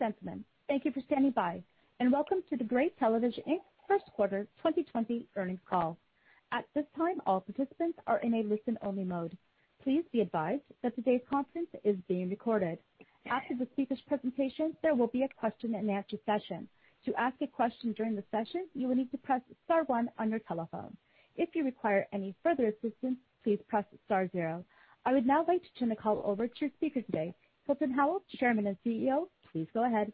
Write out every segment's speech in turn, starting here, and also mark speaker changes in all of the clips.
Speaker 1: Ladies and gentlemen, thank you for standing by, and welcome to the Gray Television, Inc. First Quarter 2020 Earnings Call. At this time, all participants are in a listen-only mode. Please be advised that today's conference is being recorded. After the speakers' presentation, there will be a question-and-answer session. To ask a question during the session, you will need to press star one on your telephone. If you require any further assistance, please press star zero. I would now like to turn the call over to your speaker today, Hilton Howell, Chairman, and CEO. Please go ahead.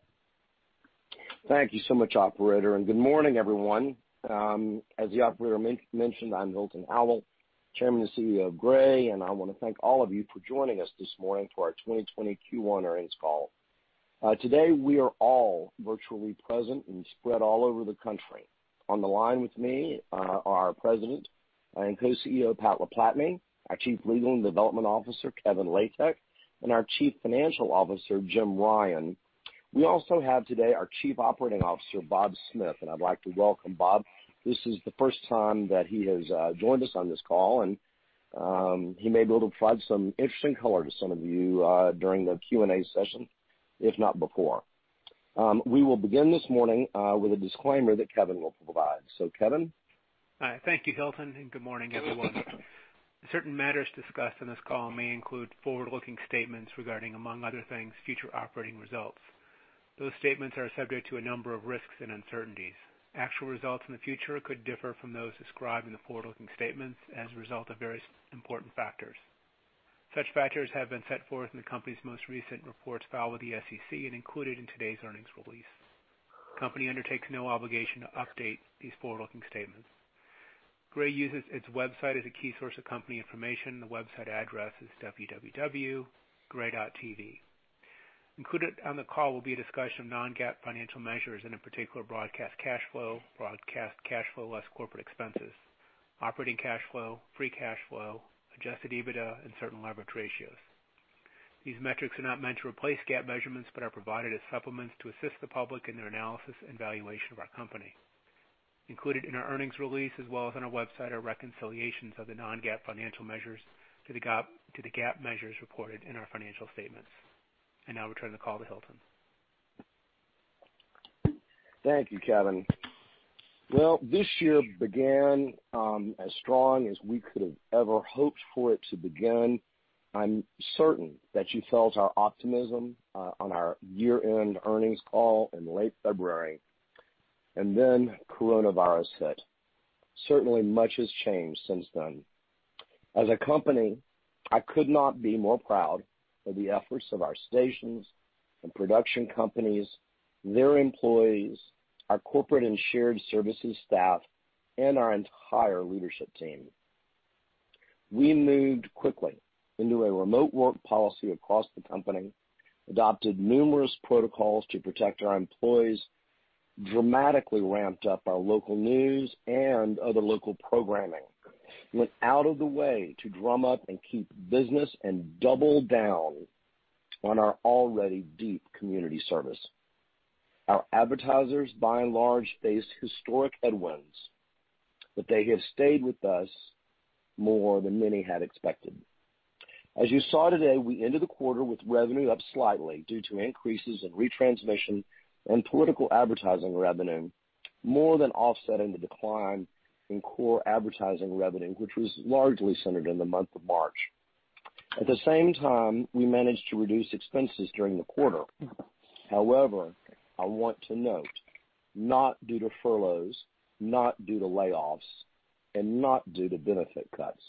Speaker 2: Thank you so much, operator, and good morning, everyone. As the operator mentioned, I'm Hilton Howell, Chairman and CEO of Gray, and I want to thank all of you for joining us this morning for our 2020 Q1 earnings call. Today, we are all virtually present and spread all over the country. On the line with me are our President and Co-CEO, Pat LaPlatney, our Chief Legal and Development Officer, Kevin Latek, and our Chief Financial Officer, Jim Ryan. We also have today our Chief Operating Officer, Bob Smith, and I'd like to welcome Bob. This is the first time that he has joined us on this call, and he may be able to provide some interesting color to some of you during the Q&A session, if not before. We will begin this morning with a disclaimer that Kevin will provide. So, Kevin?
Speaker 3: Hi. Thank you, Hilton, and good morning, everyone. Certain matters discussed on this call may include forward-looking statements regarding, among other things, future operating results. Those statements are subject to a number of risks and uncertainties. Actual results in the future could differ from those described in the forward-looking statements as a result of various important factors. Such factors have been set forth in the company's most recent reports filed with the FCC and included in today's earnings release. The company undertakes no obligation to update these forward-looking statements. Gray uses its website as a key source of company information. The website address is www.gray.tv. Included on the call will be a discussion of non-GAAP financial measures and in particular, broadcast cash flow, broadcast cash flow less corporate expenses, operating cash flow, free cash flow, adjusted EBITDA, and certain leverage ratios. These metrics are not meant to replace GAAP measurements but are provided as supplements to assist the public in their analysis and valuation of our company. Included in our earnings release, as well as on our website, are reconciliations of the non-GAAP financial measures to the GAAP measures reported in our financial statements. I now return the call to Hilton.
Speaker 2: Thank you, Kevin. Well, this year began as strong as we could have ever hoped for it to begin. I'm certain that you felt our optimism on our year-end earnings call in late February. Coronavirus hit. Certainly, much has changed since then. As a company, I could not be more proud of the efforts of our stations and production companies, their employees, our corporate and shared services staff, and our entire leadership team. We moved quickly into a remote work policy across the company, adopted numerous protocols to protect our employees, dramatically ramped up our local news and other local programming, went out of the way to drum up and keep business, and doubled down on our already deep community service. Our advertisers, by and large, faced historic headwinds, but they have stayed with us more than many had expected. As you saw today, we ended the quarter with revenue up slightly due to increases in retransmission and political advertising revenue, more than offsetting the decline in core advertising revenue, which was largely centered in the month of March. At the same time, we managed to reduce expenses during the quarter. However, I want to note, not due to furloughs, not due to layoffs, and not due to benefit cuts.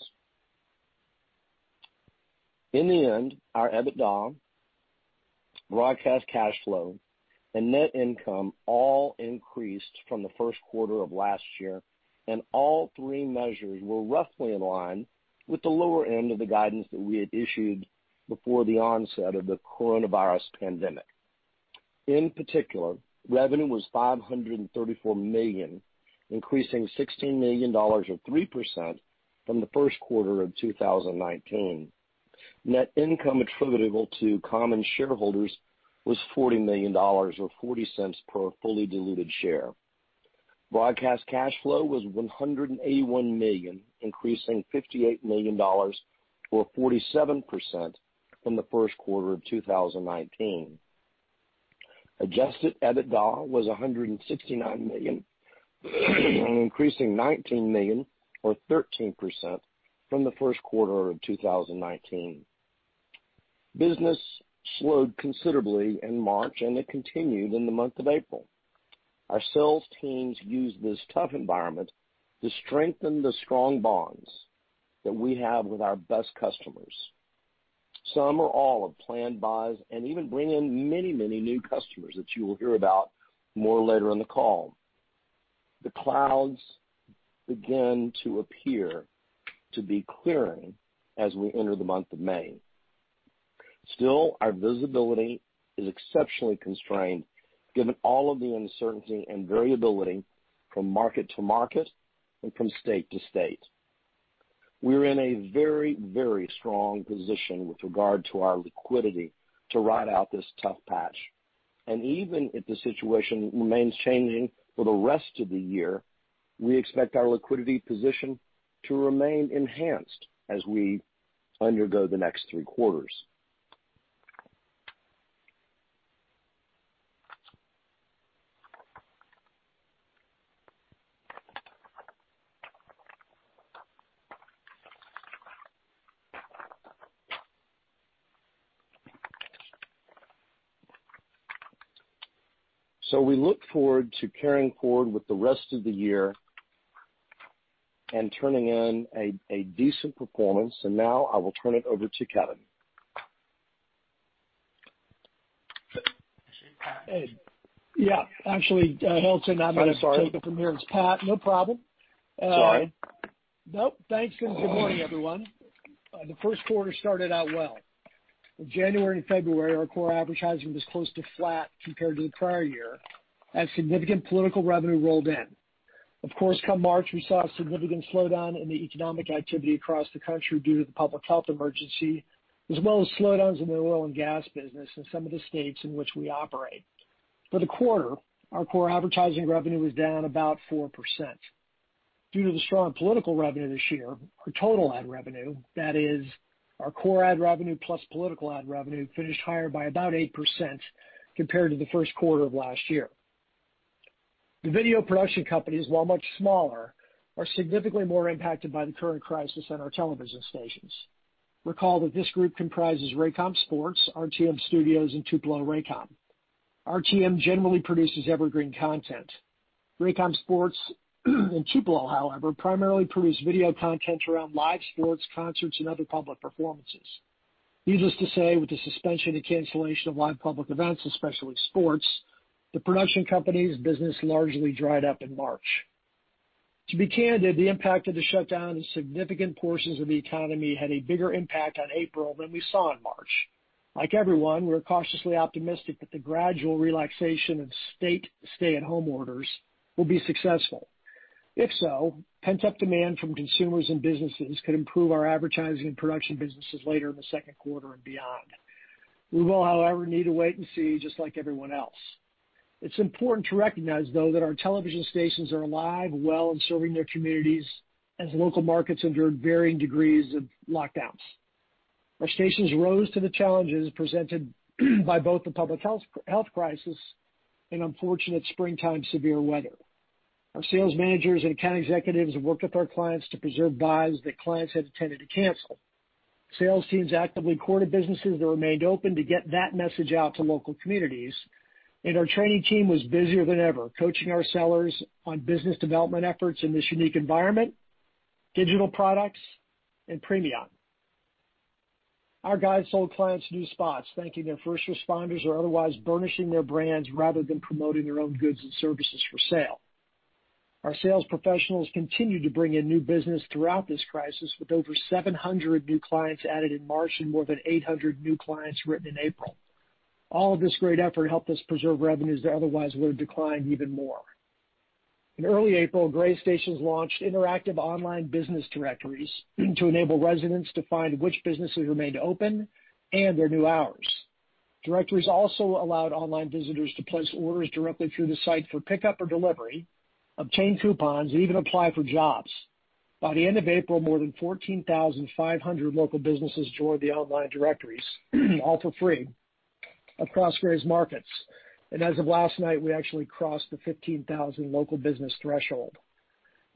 Speaker 2: In the end, our EBITDA, broadcast cash flow, and net income all increased from the first quarter of last year, and all three measures were roughly in line with the lower end of the guidance that we had issued before the onset of the coronavirus pandemic. In particular, revenue was $534 million, increasing $16 million or 3% from the first quarter of 2019. Net income attributable to common shareholders was $40 million or $0.40 per fully diluted share. Broadcast cash flow was $181 million, increasing $58 million or 47% from the first quarter of 2019. Adjusted EBITDA was $169 million, increasing $19 million or 13% from the first quarter of 2019. Business slowed considerably in March, and it continued in the month of April. Our sales teams used this tough environment to strengthen the strong bonds that we have with our best customers. Some or all have planned buys and even bring in many new customers that you will hear about more later in the call. The clouds begin to appear to be clearing as we enter the month of May. Still, our visibility is exceptionally constrained given all of the uncertainty and variability from market to market and from state to state. We're in a very strong position with regard to our liquidity to ride out this tough patch. Even if the situation remains changing for the rest of the year, we expect our liquidity position to remain enhanced as we undergo the next three quarters. We look forward to carrying forward with the rest of the year and turning in a decent performance. Now I will turn it over to Kevin.
Speaker 4: Yeah. Actually, Hilton, I'm going to take it from here.
Speaker 2: I'm sorry.
Speaker 4: It's Pat. No problem.
Speaker 2: Sorry.
Speaker 4: No, thanks, and good morning, everyone. The first quarter started out well. In January and February, our core advertising was close to flat compared to the prior year as significant political revenue rolled in. Of course, come March, we saw a significant slowdown in the economic activity across the country due to the public health emergency, as well as slowdowns in the oil and gas business in some of the states in which we operate. For the quarter, our core advertising revenue was down about 4%. Due to the strong political revenue this year, our total ad revenue, that is our core ad revenue plus political ad revenue, finished higher by about 8% compared to the first quarter of last year. The video production companies, while much smaller, are significantly more impacted by the current crisis than our television stations. Recall that this group comprises Raycom Sports, RTM Studios, and Tupelo Raycom. RTM generally produces evergreen content. Raycom Sports and Tupelo, however, primarily produce video content around live sports, concerts, and other public performances. Needless to say, with the suspension and cancellation of live public events, especially sports, the production company's business largely dried up in March. To be candid, the impact of the shutdown in significant portions of the economy had a bigger impact on April than we saw in March. Like everyone, we're cautiously optimistic that the gradual relaxation of state stay-at-home orders will be successful. If so, pent-up demand from consumers and businesses could improve our advertising and production businesses later in the second quarter and beyond. We will, however, need to wait and see just like everyone else. It's important to recognize, though, that our television stations are alive, well, and serving their communities as local markets endured varying degrees of lockdowns. Our stations rose to the challenges presented by both the public health crisis and unfortunate springtime severe weather. Our sales managers and account executives have worked with our clients to preserve buys that clients had attempted to cancel. Sales teams actively courted businesses that remained open to get that message out to local communities. Our training team was busier than ever coaching our sellers on business development efforts in this unique environment, digital products, and premium. Our guys sold clients new spots thanking their first responders or otherwise burnishing their brands rather than promoting their own goods and services for sale. Our sales professionals continued to bring in new business throughout this crisis, with over 700 new clients added in March and more than 800 new clients written in April. All of this great effort helped us preserve revenues that otherwise would have declined even more. In early April, Gray stations launched interactive online business directories to enable residents to find which businesses remained open and their new hours. Directories also allowed online visitors to place orders directly through the site for pickup or delivery, obtain coupons, and even apply for jobs. By the end of April, more than 14,500 local businesses joined the online directories, all for free, across Gray's markets. As of last night, we actually crossed the 15,000 local business threshold.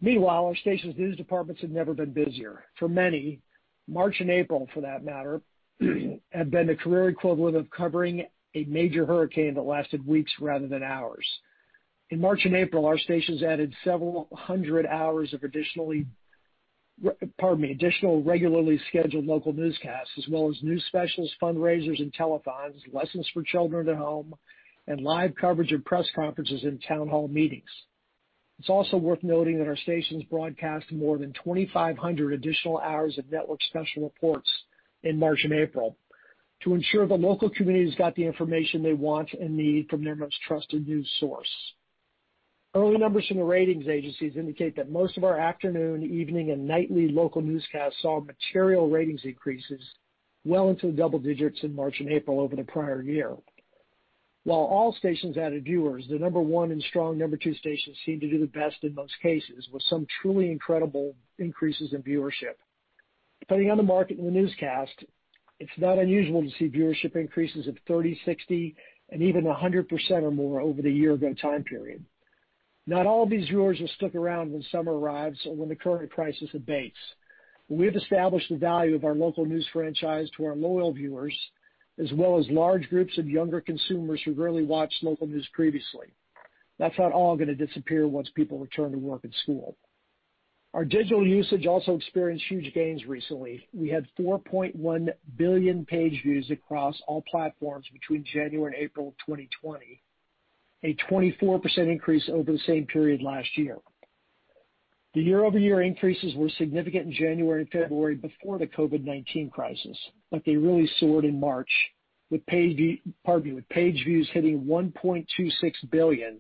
Speaker 4: Meanwhile, our stations' news departments have never been busier. For many, March and April for that matter, have been the career equivalent of covering a major hurricane that lasted weeks rather than hours. In March and April, our stations added several hundred hours of additional regularly scheduled local newscasts as well as news specials, fundraisers, and telethons, lessons for children at home, and live coverage of press conferences and town hall meetings. It's also worth noting that our stations broadcast more than 2,500 additional hours of network special reports in March and April to ensure the local communities got the information they want and need from their most trusted news source. Early numbers from the ratings agencies indicate that most of our afternoon, evening, and nightly local newscasts saw material ratings increases well into the double digits in March and April over the prior year. While all stations added viewers, the number one and strong number two stations seemed to do the best in most cases, with some truly incredible increases in viewership. Depending on the market and the newscast, it's not unusual to see viewership increases of 30, 60, and even 100% or more over the year-ago time period. Not all of these viewers will stick around when summer arrives or when the current crisis abates. We have established the value of our local news franchise to our loyal viewers, as well as large groups of younger consumers who rarely watched local news previously. That's not all going to disappear once people return to work and school. Our digital usage also experienced huge gains recently. We had 4.1 billion page views across all platforms between January and April 2020, a 24% increase over the same period last year. The year-over-year increases were significant in January and February before the COVID-19 crisis, but they really soared in March with page views hitting 1.26 billion,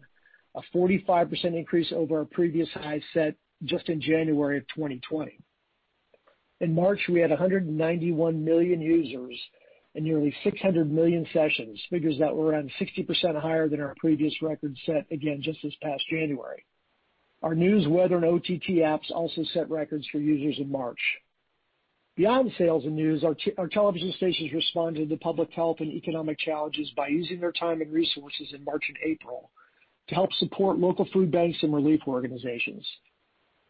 Speaker 4: a 45% increase over our previous high set just in January of 2020. In March, we had 191 million users and nearly 600 million sessions, figures that were around 60% higher than our previous record set again just this past January. Our news, weather, and OTT apps also set records for users in March. Beyond sales and news, our television stations responded to public health and economic challenges by using their time and resources in March and April to help support local food banks and relief organizations.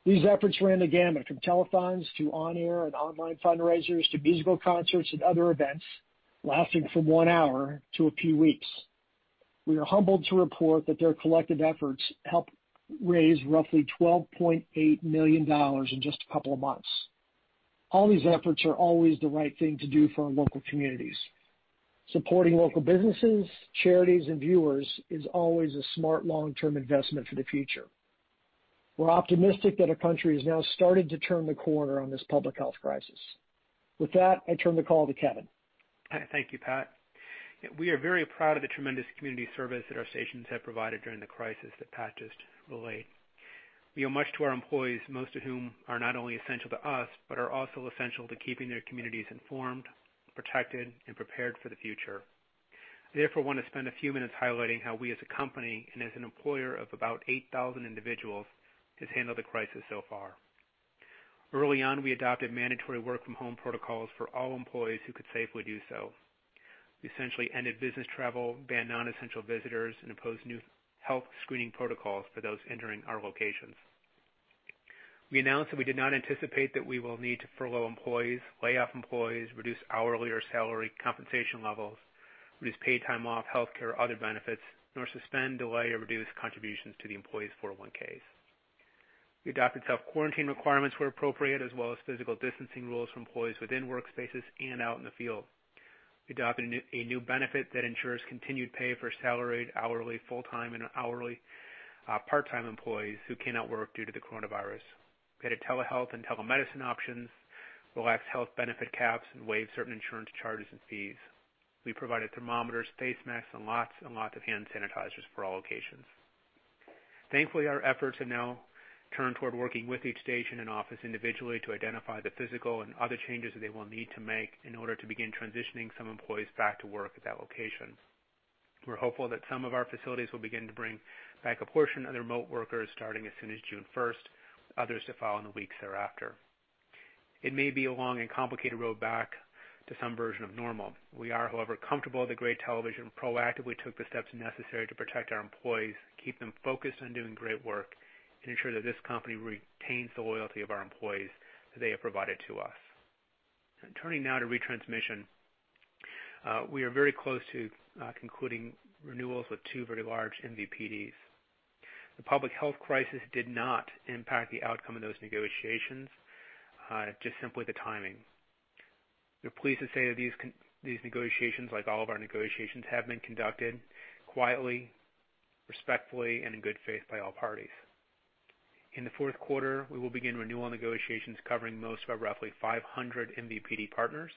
Speaker 4: These efforts ran the gamut, from telethons to on-air and online fundraisers to musical concerts and other events lasting from one hour to a few weeks. We are humbled to report that their collective efforts helped raise roughly $12.8 million in just a couple of months. All these efforts are always the right thing to do for our local communities. Supporting local businesses, charities, and viewers is always a smart long-term investment for the future. We're optimistic that our country has now started to turn the corner on this public health crisis. With that, I turn the call to Kevin.
Speaker 3: Thank you, Pat. We are very proud of the tremendous community service that our stations have provided during the crisis that Pat just relayed. We owe much to our employees, most of whom are not only essential to us but are also essential to keeping their communities informed, protected, and prepared for the future. I therefore want to spend a few minutes highlighting how we as a company and as an employer of about 8,000 individuals has handled the crisis so far. Early on, we adopted mandatory work-from-home protocols for all employees who could safely do so. We essentially ended business travel, banned non-essential visitors, and imposed new health screening protocols for those entering our locations. We announced that we did not anticipate that we will need to furlough employees, lay off employees, reduce hourly or salary compensation levels, reduce paid time off, healthcare, or other benefits, nor suspend, delay, or reduce contributions to the employees' 401(k)s. We adopted self-quarantine requirements where appropriate, as well as physical distancing rules for employees within workspaces and out in the field. We adopted a new benefit that ensures continued pay for salaried, hourly, full-time, and hourly part-time employees who cannot work due to the COVID-19. We added telehealth and telemedicine options, relaxed health benefit caps, and waived certain insurance charges and fees. We provided thermometers, face masks, and lots and lots of hand sanitizers for all locations. Thankfully, our efforts are now turned toward working with each station and office individually to identify the physical and other changes that they will need to make in order to begin transitioning some employees back to work at that location. We're hopeful that some of our facilities will begin to bring back a portion of the remote workers starting as soon as June 1st, others to follow in the weeks thereafter. It may be a long and complicated road back to some version of normal. We are, however, comfortable that Gray Television proactively took the steps necessary to protect our employees, keep them focused on doing great work, and ensure that this company retains the loyalty of our employees that they have provided to us. Turning now to retransmission. We are very close to concluding renewals with two very large MVPDs. The public health crisis did not impact the outcome of those negotiations, just simply the timing. We're pleased to say that these negotiations, like all of our negotiations, have been conducted quietly, respectfully, and in good faith by all parties. In the fourth quarter, we will begin renewal negotiations covering most of our roughly 500 MVPD partners.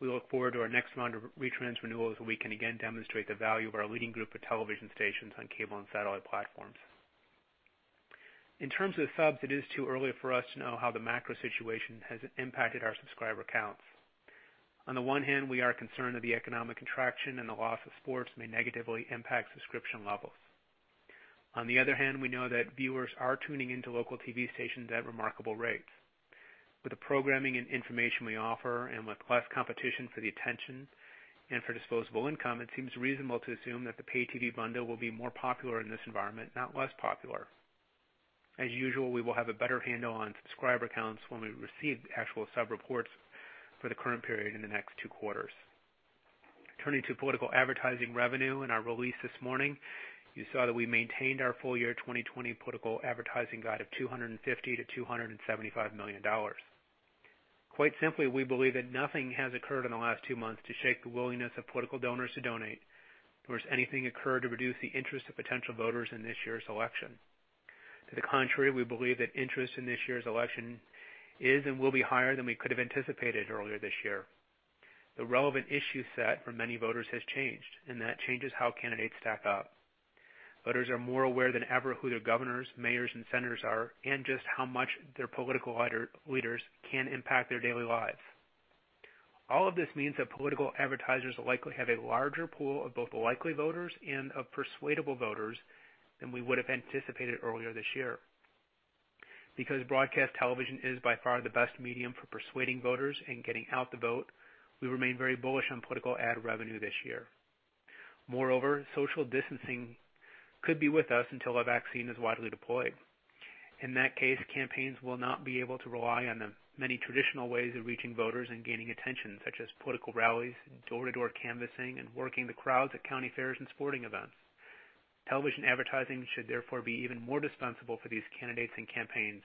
Speaker 3: We look forward to our next round of retrans renewals, where we can again demonstrate the value of our leading group of television stations on cable and satellite platforms. In terms of subs, it is too early for us to know how the macro situation has impacted our subscriber counts. On the one hand, we are concerned that the economic contraction and the loss of sports may negatively impact subscription levels. On the other hand, we know that viewers are tuning in to local TV stations at remarkable rates. With the programming and information we offer, and with less competition for the attention and for disposable income, it seems reasonable to assume that the pay TV bundle will be more popular in this environment, not less popular. As usual, we will have a better handle on subscriber counts when we receive the actual sub reports for the current period in the next two quarters. Turning to political advertising revenue. In our release this morning, you saw that we maintained our full-year 2020 political advertising guide of $250 million-$275 million. Quite simply, we believe that nothing has occurred in the last two months to shake the willingness of political donors to donate, nor has anything occurred to reduce the interest of potential voters in this year's election. To the contrary, we believe that interest in this year's election is and will be higher than we could have anticipated earlier this year. The relevant issue set for many voters has changed, and that changes how candidates stack up. Voters are more aware than ever who their governors, mayors, and senators are, and just how much their political leaders can impact their daily lives. All of this means that political advertisers will likely have a larger pool of both likely voters and of persuadable voters than we would've anticipated earlier this year. Because broadcast television is by far the best medium for persuading voters and getting out the vote, we remain very bullish on political ad revenue this year. Moreover, social distancing could be with us until a vaccine is widely deployed. In that case, campaigns will not be able to rely on the many traditional ways of reaching voters and gaining attention, such as political rallies, door-to-door canvassing, and working the crowds at county fairs and sporting events. Television advertising should therefore be even more indispensable for these candidates and campaigns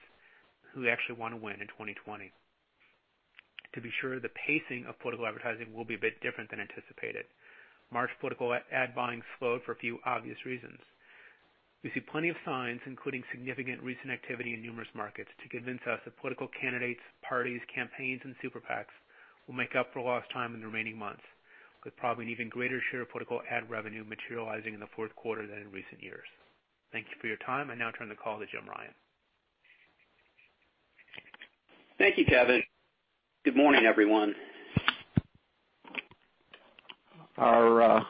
Speaker 3: who actually want to win in 2020. To be sure, the pacing of political advertising will be a bit different than anticipated. March political ad buying slowed for a few obvious reasons. We see plenty of signs, including significant recent activity in numerous markets, to convince us that political candidates, parties, campaigns, and super PACs will make up for lost time in the remaining months, with probably an even greater share of political ad revenue materializing in the fourth quarter than in recent years. Thank you for your time. I now turn the call to Jim Ryan.
Speaker 5: Thank you, Kevin. Good morning, everyone. Our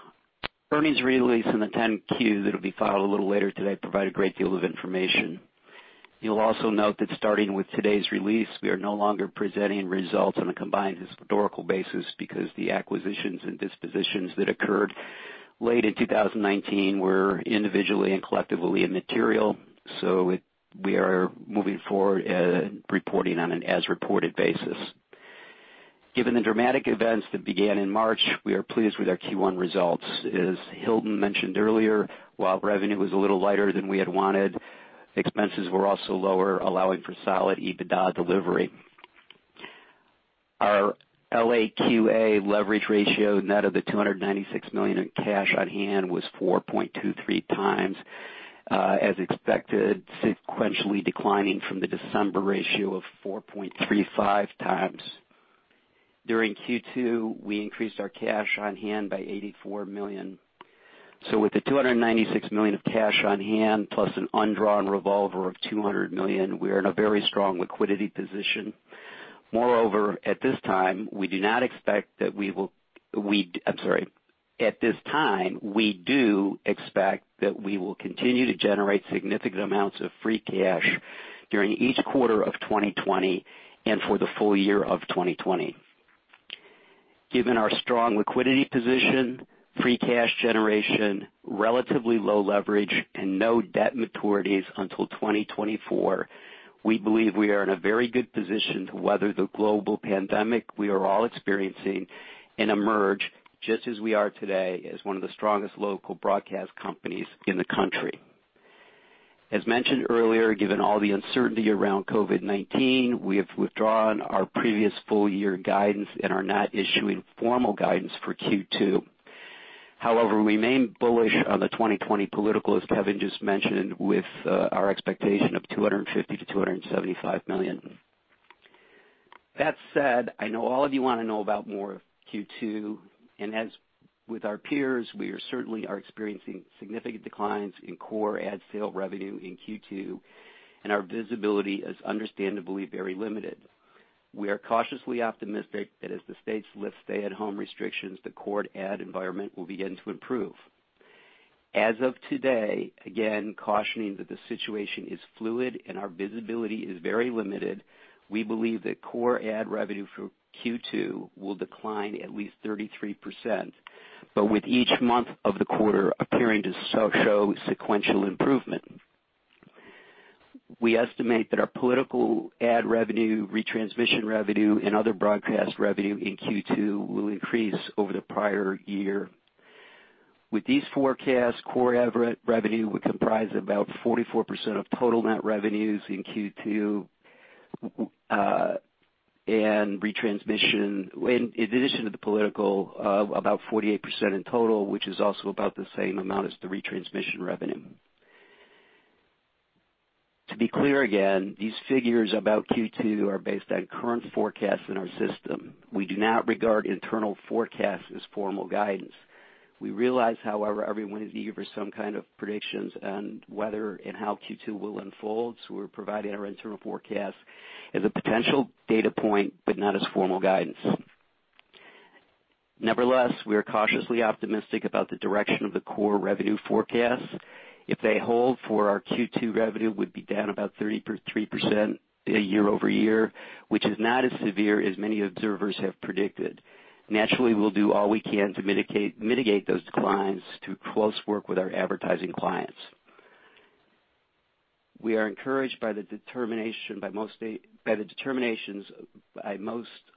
Speaker 5: earnings release and the 10-Q that'll be filed a little later today provide a great deal of information. You'll also note that starting with today's release, we are no longer presenting results on a Combined Historical Basis because the acquisitions and dispositions that occurred late in 2019 were individually and collectively immaterial, so we are moving forward reporting on an as-reported basis. Given the dramatic events that began in March, we are pleased with our Q1 results. As Hilton mentioned earlier, while revenue was a little lighter than we had wanted, expenses were also lower, allowing for solid EBITDA delivery. Our LQA leverage ratio net of the $296 million in cash on hand was 4.23 times as expected, sequentially declining from the December ratio of 4.35 times. During Q2, we increased our cash on hand by $84 million. With the $296 million of cash on hand, plus an undrawn revolver of $200 million, we are in a very strong liquidity position. Moreover, at this time, we do expect that we will continue to generate significant amounts of free cash during each quarter of 2020 and for the full year of 2020. Given our strong liquidity position, free cash generation, relatively low leverage, and no debt maturities until 2024, we believe we are in a very good position to weather the global pandemic we are all experiencing and emerge, just as we are today, as one of the strongest local broadcast companies in the country. As mentioned earlier, given all the uncertainty around COVID-19, we have withdrawn our previous full-year guidance and are not issuing formal guidance for Q2. We remain bullish on the 2020 political, as Kevin just mentioned, with our expectation of $250 million-$275 million. That said, I know all of you want to know about more of Q2, and as with our peers, we certainly are experiencing significant declines in core ad sale revenue in Q2, and our visibility is understandably very limited. We are cautiously optimistic that as the states lift stay-at-home restrictions, the core ad environment will begin to improve. As of today, again, cautioning that the situation is fluid and our visibility is very limited, we believe that core ad revenue for Q2 will decline at least 33%, but with each month of the quarter appearing to show sequential improvement. We estimate that our political ad revenue, retransmission revenue, and other broadcast revenue in Q2 will increase over the prior year. With these forecasts, core ad revenue would comprise about 44% of total net revenues in Q2, and in addition to the political, about 48% in total, which is also about the same amount as the retransmission revenue. To be clear again, these figures about Q2 are based on current forecasts in our system. We do not regard internal forecasts as formal guidance. We realize, however, everyone is eager for some kind of predictions on whether and how Q2 will unfold, so we're providing our internal forecast as a potential data point, but not as formal guidance. Nevertheless, we are cautiously optimistic about the direction of the core revenue forecast. If they hold for our Q2 revenue, we'd be down about 33% year-over-year, which is not as severe as many observers have predicted. Naturally, we'll do all we can to mitigate those declines through close work with our advertising clients. We are encouraged by the determinations by most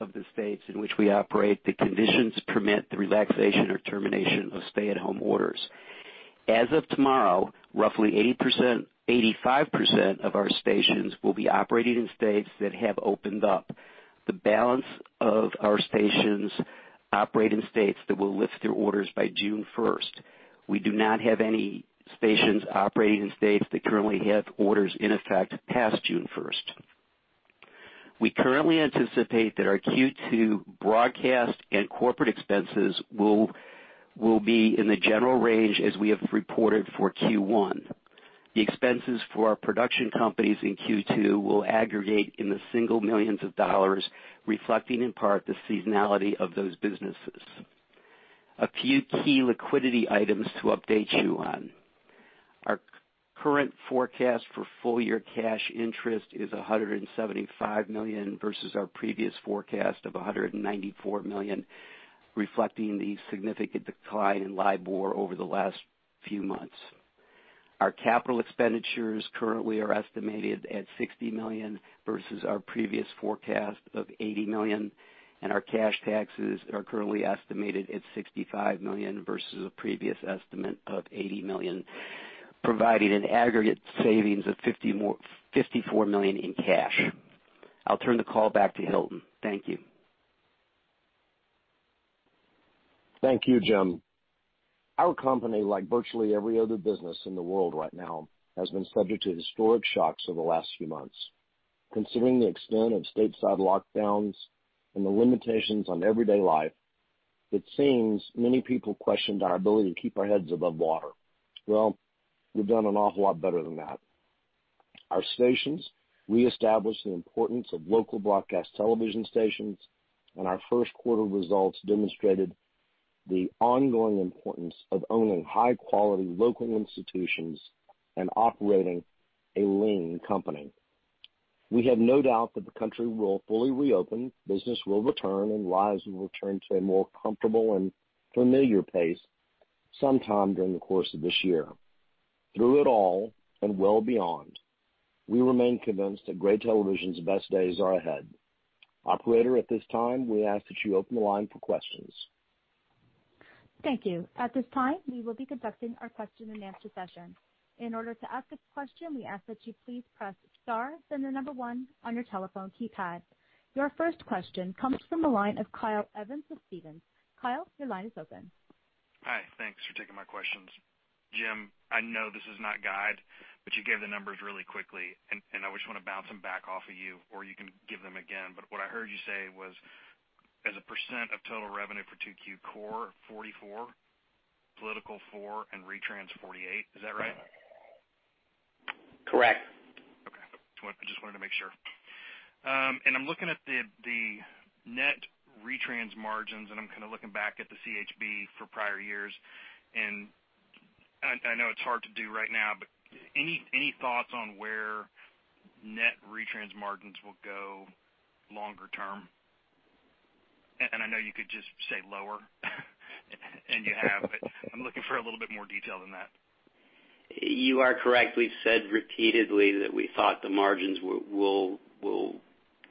Speaker 5: of the states in which we operate that conditions permit the relaxation or termination of stay-at-home orders. As of tomorrow, roughly 85% of our stations will be operating in states that have opened up. The balance of our stations operate in states that will lift their orders by June 1st. We do not have any stations operating in states that currently have orders in effect past June 1st. We currently anticipate that our Q2 broadcast and corporate expenses will be in the general range as we have reported for Q1. The expenses for our production companies in Q2 will aggregate in the single millions of dollars, reflecting in part the seasonality of those businesses. A few key liquidity items to update you on. Our current forecast for full-year cash interest is $175 million versus our previous forecast of $194 million, reflecting the significant decline in LIBOR over the last few months. Our capital expenditures currently are estimated at $60 million versus our previous forecast of $80 million, and our cash taxes are currently estimated at $65 million versus a previous estimate of $80 million, providing an aggregate savings of $54 million in cash. I'll turn the call back to Hilton. Thank you.
Speaker 2: Thank you, Jim. Our company, like virtually every other business in the world right now, has been subject to historic shocks over the last few months. Considering the extent of stateside lockdowns and the limitations on everyday life. It seems many people questioned our ability to keep our heads above water. Well, we've done an awful lot better than that. Our stations re-established the importance of local broadcast television stations, our first quarter results demonstrated the ongoing importance of owning high-quality local institutions and operating a lean company. We have no doubt that the country will fully reopen, business will return, and lives will return to a more comfortable and familiar pace sometime during the course of this year. Through it all and well beyond, we remain convinced that Gray Television's best days are ahead. Operator, at this time, we ask that you open the line for questions.
Speaker 1: Thank you. At this time, we will be conducting our question and answer session. In order to ask a question, we ask that you please press star, then the number one on your telephone keypad. Your first question comes from the line of Kyle Evans of Stephens. Kyle, your line is open.
Speaker 6: Hi. Thanks for taking my questions. Jim, I know this is not guide, but you gave the numbers really quickly, and I just want to bounce them back off of you, or you can give them again. What I heard you say was, as a percent of total revenue for 2Q, core 44%, political 4%, and retrans 48%. Is that right?
Speaker 5: Correct.
Speaker 6: Okay. I just wanted to make sure. I'm looking at the net retrans margins, and I'm kind of looking back at the CHB for prior years, and I know it's hard to do right now, but any thoughts on where net retrans margins will go longer term? I know you could just say lower and you have, but I'm looking for a little bit more detail than that.
Speaker 5: You are correct. We've said repeatedly that we thought the margins will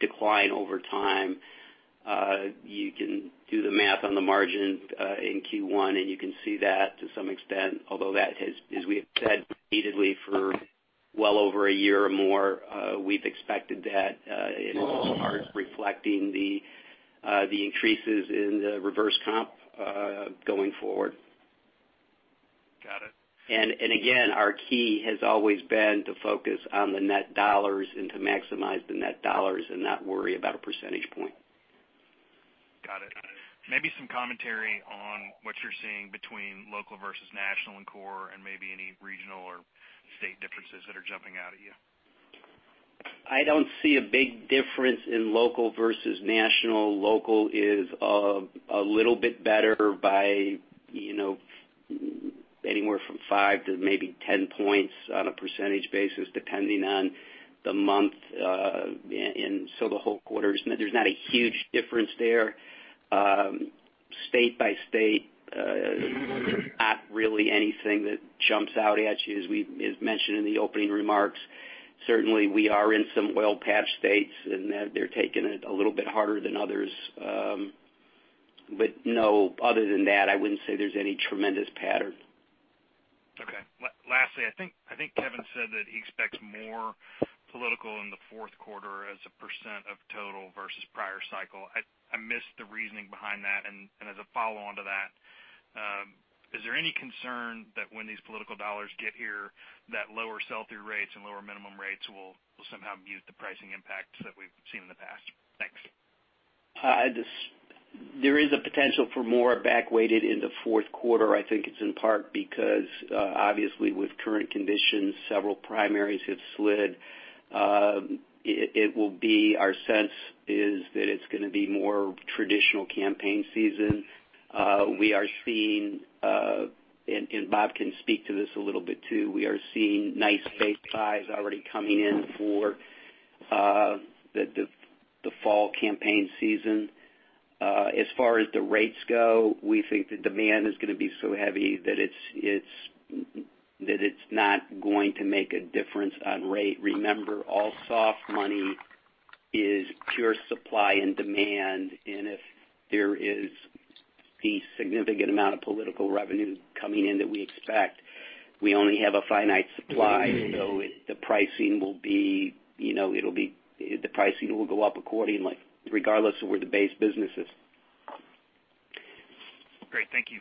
Speaker 5: decline over time. You can do the math on the margin in Q1, you can see that to some extent, although that has, as we have said repeatedly for well over a year or more, we've expected that it is in part reflecting the increases in the reverse comp going forward.
Speaker 6: Got it.
Speaker 5: Again, our key has always been to focus on the net dollars and to maximize the net dollars and not worry about a percentage point.
Speaker 6: Got it. Maybe some commentary on what you're seeing between local versus national and core and maybe any regional or state differences that are jumping out at you?
Speaker 5: I don't see a big difference in local versus national. Local is a little bit better by anywhere from five to maybe 10 points on a percentage basis, depending on the month. The whole quarter, there's not a huge difference there. State by state, not really anything that jumps out at you, as mentioned in the opening remarks. Certainly, we are in some oil patch states, and they're taking it a little bit harder than others. No, other than that, I wouldn't say there's any tremendous pattern.
Speaker 6: Okay. Lastly, I think Kevin said that he expects more political in the fourth quarter as a percent of total versus prior cycle. I missed the reasoning behind that. As a follow-on to that, is there any concern that when these political dollar get here, that lower sell-through rates and lower minimum rates will somehow mute the pricing impacts that we've seen in the past? Thanks.
Speaker 5: There is a potential for more back-weighted in the fourth quarter. I think it's in part because, obviously, with current conditions, several primaries have slid. Our sense is that it's going to be more traditional campaign season. We are seeing, and Bob can speak to this a little bit, too, we are seeing nice base buys already coming in for the fall campaign season. As far as the rates go, we think the demand is going to be so heavy that it's not going to make a difference on rate. Remember, all soft money is pure supply and demand, and if there is the significant amount of political revenue coming in that we expect, we only have a finite supply. The pricing will go up accordingly, regardless of where the base business is.
Speaker 6: Great. Thank you.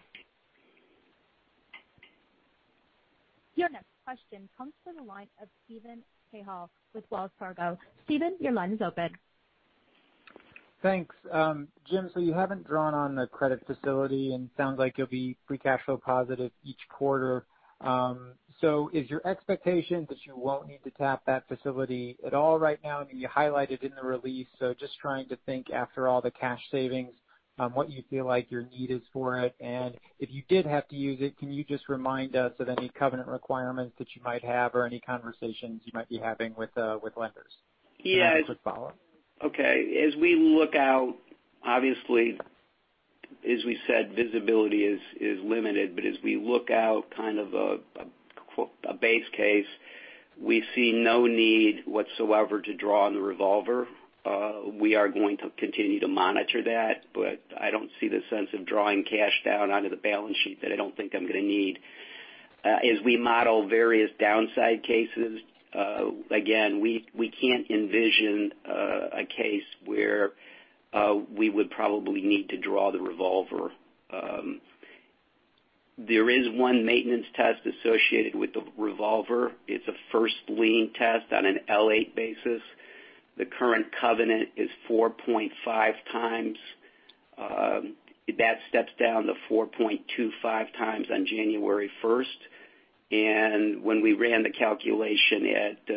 Speaker 1: Your next question comes from the line of Steven Cahall with Wells Fargo. Steven, your line is open.
Speaker 7: Thanks. Jim, you haven't drawn on the credit facility, and sounds like you'll be free cash flow positive each quarter. Is your expectation that you won't need to tap that facility at all right now? I mean, you highlight it in the release, just trying to think after all the cash savings on what you feel like your need is for it. If you did have to use it, can you just remind us of any covenant requirements that you might have or any conversations you might be having with lenders?
Speaker 5: Yes.
Speaker 7: I have a quick follow-up.
Speaker 5: As we look out, obviously, as we said, visibility is limited, as we look out kind of a base case, we see no need whatsoever to draw on the revolver. We are going to continue to monitor that, but I don't see the sense of drawing cash down out of the balance sheet that I don't think I'm going to need. As we model various downside cases, again, we can't envision a case where we would probably need to draw the revolver. There is one maintenance test associated with the revolver. It's a first lien test on an LQA basis. The current covenant is 4.5x. That steps down to 4.25x on January 1st. When we ran the calculation at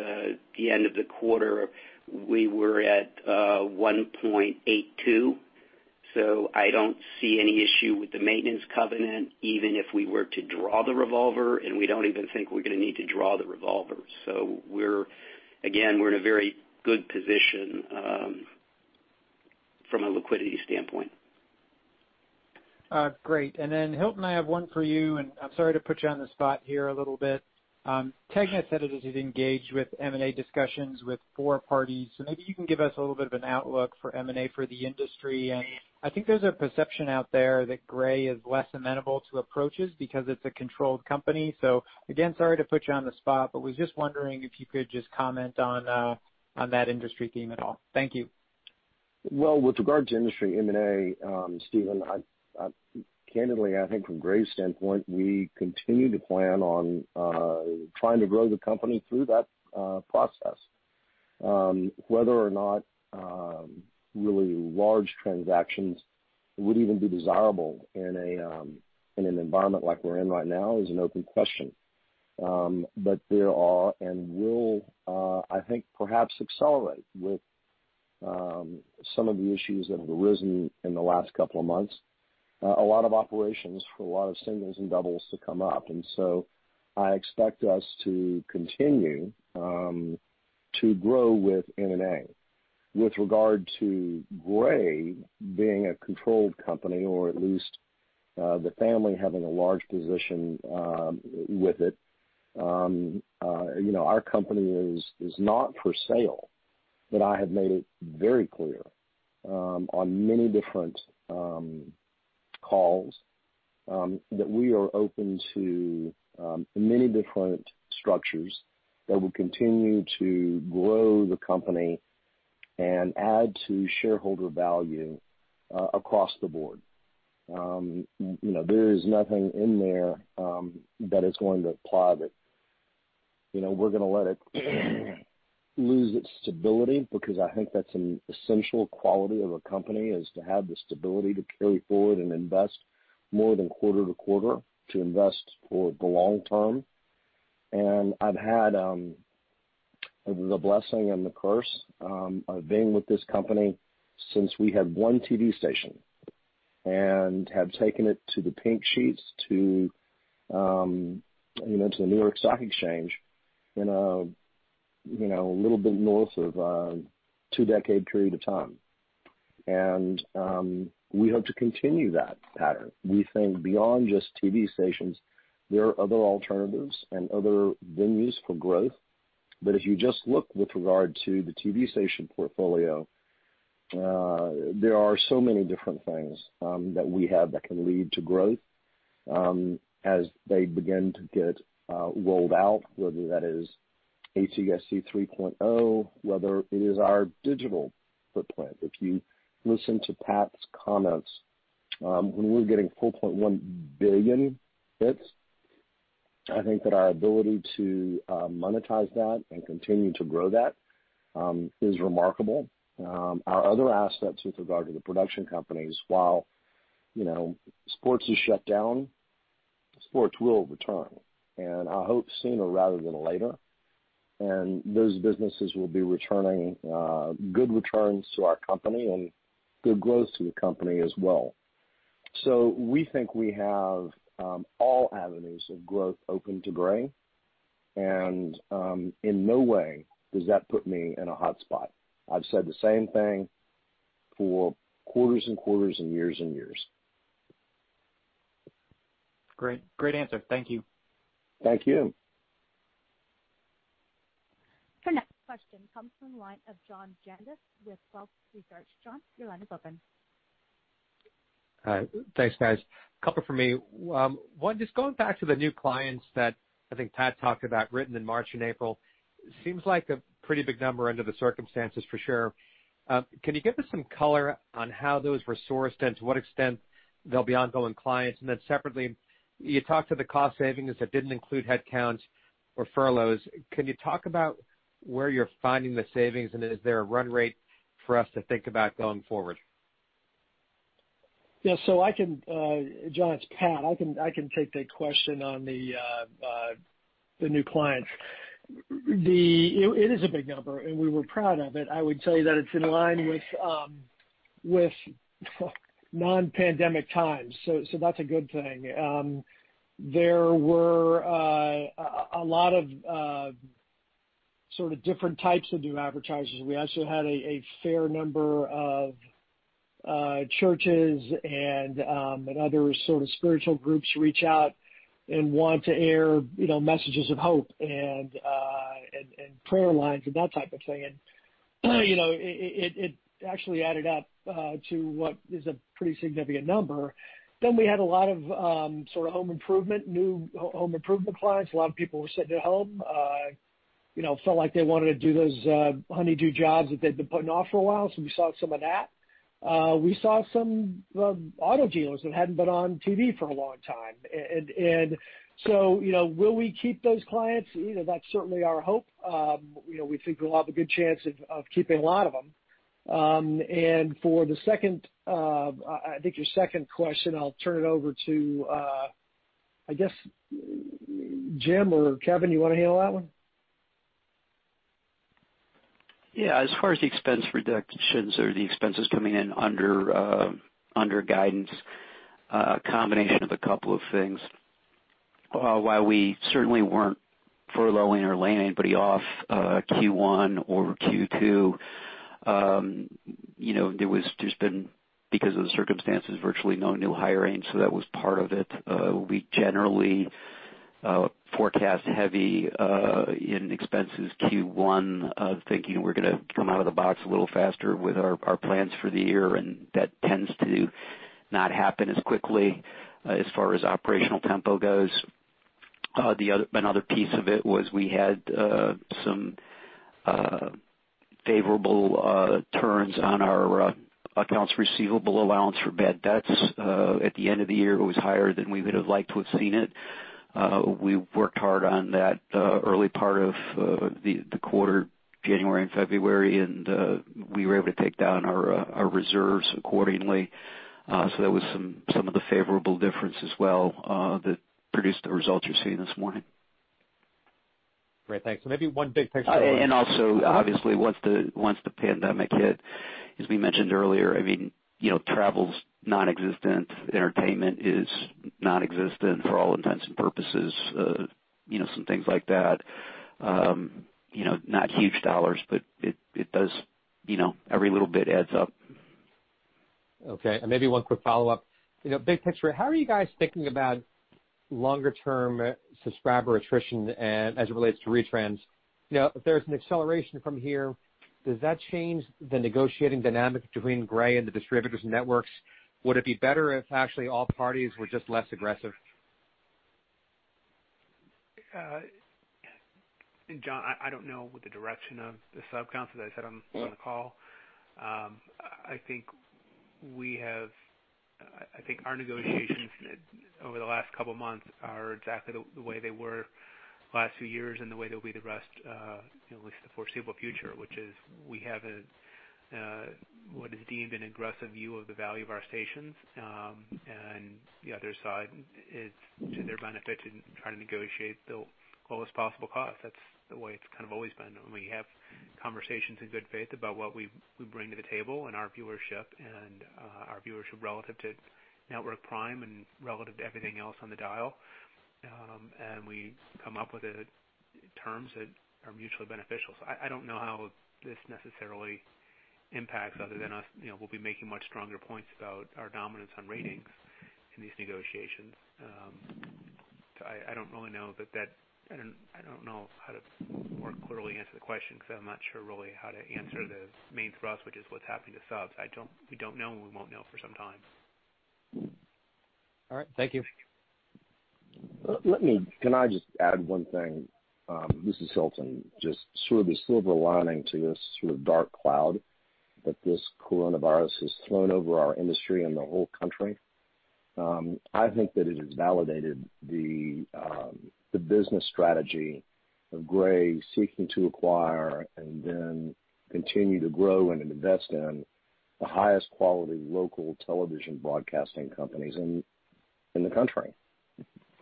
Speaker 5: the end of the quarter, we were at 1.82x. I don't see any issue with the maintenance covenant, even if we were to draw the revolver, and we don't even think we're going to need to draw the revolver. Again, we're in a very good position from a liquidity standpoint.
Speaker 7: Great. Then Hilton, I have one for you, and I'm sorry to put you on the spot here a little bit. TEGNA said it is engaged with M&A discussions with four parties, maybe you can give us a little bit of an outlook for M&A for the industry. I think there's a perception out there that Gray is less amenable to approaches because it's a controlled company. Again, sorry to put you on the spot, was just wondering if you could just comment on that industry theme at all. Thank you.
Speaker 2: With regard to industry M&A, Steven, candidly, I think from Gray's standpoint, we continue to plan on trying to grow the company through that process. Whether or not really large transactions would even be desirable in an environment like we're in right now is an open question. There are and will, I think, perhaps accelerate with some of the issues that have arisen in the last couple of months, a lot of operations for a lot of singles and doubles to come up, and so I expect us to continue to grow with M&A. With regard to Gray being a controlled company, or at least the family having a large position with it, our company is not for sale. I have made it very clear on many different calls that we are open to many different structures that will continue to grow the company and add to shareholder value across the board. There is nothing in there that is going to imply that we're going to let it lose its stability, because I think that's an essential quality of a company, is to have the stability to carry forward and invest more than quarter to quarter, to invest for the long term. I've had the blessing and the curse of being with this company since we had one TV station and have taken it to the pink sheets, to the New York Stock Exchange in a little bit north of a two-decade period of time. We hope to continue that pattern. We think beyond just TV stations, there are other alternatives and other venues for growth. If you just look with regard to the TV station portfolio, there are so many different things that we have that can lead to growth as they begin to get rolled out, whether that is ATSC 3.0, whether it is our digital footprint. If you listen to Pat's comments, when we're getting 4.1 billion bits, I think that our ability to monetize that and continue to grow that is remarkable. Our other assets with regard to the production companies, while sports is shut down, sports will return, and I hope sooner rather than later. Those businesses will be returning good returns to our company and good growth to the company as well. We think we have all avenues of growth open to Gray, and in no way does that put me in a hot spot. I've said the same thing for quarters and quarters and years and years.
Speaker 7: Great answer. Thank you.
Speaker 2: Thank you.
Speaker 1: Our next question comes from the line of John Janedis with Wolfe Research. John, your line is open.
Speaker 8: Thanks, guys. A couple from me. One, just going back to the new clients that I think Pat talked about, written in March and April, seems like a pretty big number under the circumstances for sure. Can you give us some color on how those were sourced and to what extent they'll be ongoing clients? Separately, you talked to the cost savings that didn't include headcounts or furloughs. Can you talk about where you're finding the savings, and is there a run rate for us to think about going forward?
Speaker 4: John, it's Pat. I can take the question on the new clients. It is a big number, and we were proud of it. I would tell you that it's in line with non-pandemic times. That's a good thing. There were a lot of sort of different types of new advertisers. We also had a fair number of churches and other sort of spiritual groups reach out and want to air messages of hope and prayer lines and that type of thing. It actually added up to what is a pretty significant number. We had a lot of new home improvement clients. A lot of people were sitting at home, felt like they wanted to do those honey-do jobs that they'd been putting off for a while. We saw some of that. We saw some auto dealers that hadn't been on TV for a long time. Will we keep those clients? That's certainly our hope. We think we'll have a good chance of keeping a lot of them. For I think your second question, I'll turn it over to, I guess, Jim or Kevin, you want to handle that one?
Speaker 5: Yeah. As far as the expense reductions or the expenses coming in under guidance, a combination of a couple of things. While we certainly weren't furloughing or laying anybody off Q1 or Q2, there's been, because of the circumstances, virtually no new hiring. That was part of it. We generally forecast heavy in expenses Q1, thinking we're going to come out of the box a little faster with our plans for the year. That tends to not happen as quickly as far as operational tempo goes. Another piece of it was we had some favorable turns on our accounts receivable allowance for bad debts. At the end of the year, it was higher than we would have liked to have seen it. We worked hard on that early part of the quarter, January and February. We were able to take down our reserves accordingly. That was some of the favorable difference as well, that produced the results you're seeing this morning.
Speaker 8: Great. Thanks. Maybe one big picture.
Speaker 5: Also, obviously once the pandemic hit, as we mentioned earlier, travel's nonexistent, entertainment is nonexistent for all intents and purposes, some things like that. Not huge dollars, but every little bit adds up.
Speaker 8: Okay. Maybe one quick follow-up. Big picture, how are you guys thinking about longer-term subscriber attrition as it relates to retrans? If there's an acceleration from here, does that change the negotiating dynamic between Gray and the distributors' networks? Would it be better if actually all parties were just less aggressive?
Speaker 3: John, I don't know what the direction of the sub counts, as I said on the call. I think our negotiations over the last couple of months are exactly the way they were the last few years and the way they'll be at least the foreseeable future, which is we have what is deemed an aggressive view of the value of our stations. The other side, it's to their benefit to try to negotiate the lowest possible cost. That's the way it's kind of always been. We have conversations in good faith about what we bring to the table and our viewership and our viewership relative to network prime and relative to everything else on the dial. We come up with terms that are mutually beneficial. I don't know how this necessarily impacts other than us. We'll be making much stronger points about our dominance on ratings in these negotiations. I don't know how to more clearly answer the question because I'm not sure really how to answer the main thrust, which is what's happening to subs. We don't know, and we won't know for some time.
Speaker 8: All right. Thank you.
Speaker 2: Can I just add one thing? This is Hilton. Just sort of the silver lining to this sort of dark cloud that this coronavirus has flown over our industry and the whole country. I think that it has validated the business strategy of Gray seeking to acquire and then continue to grow and invest in the highest quality local television broadcasting companies in the country.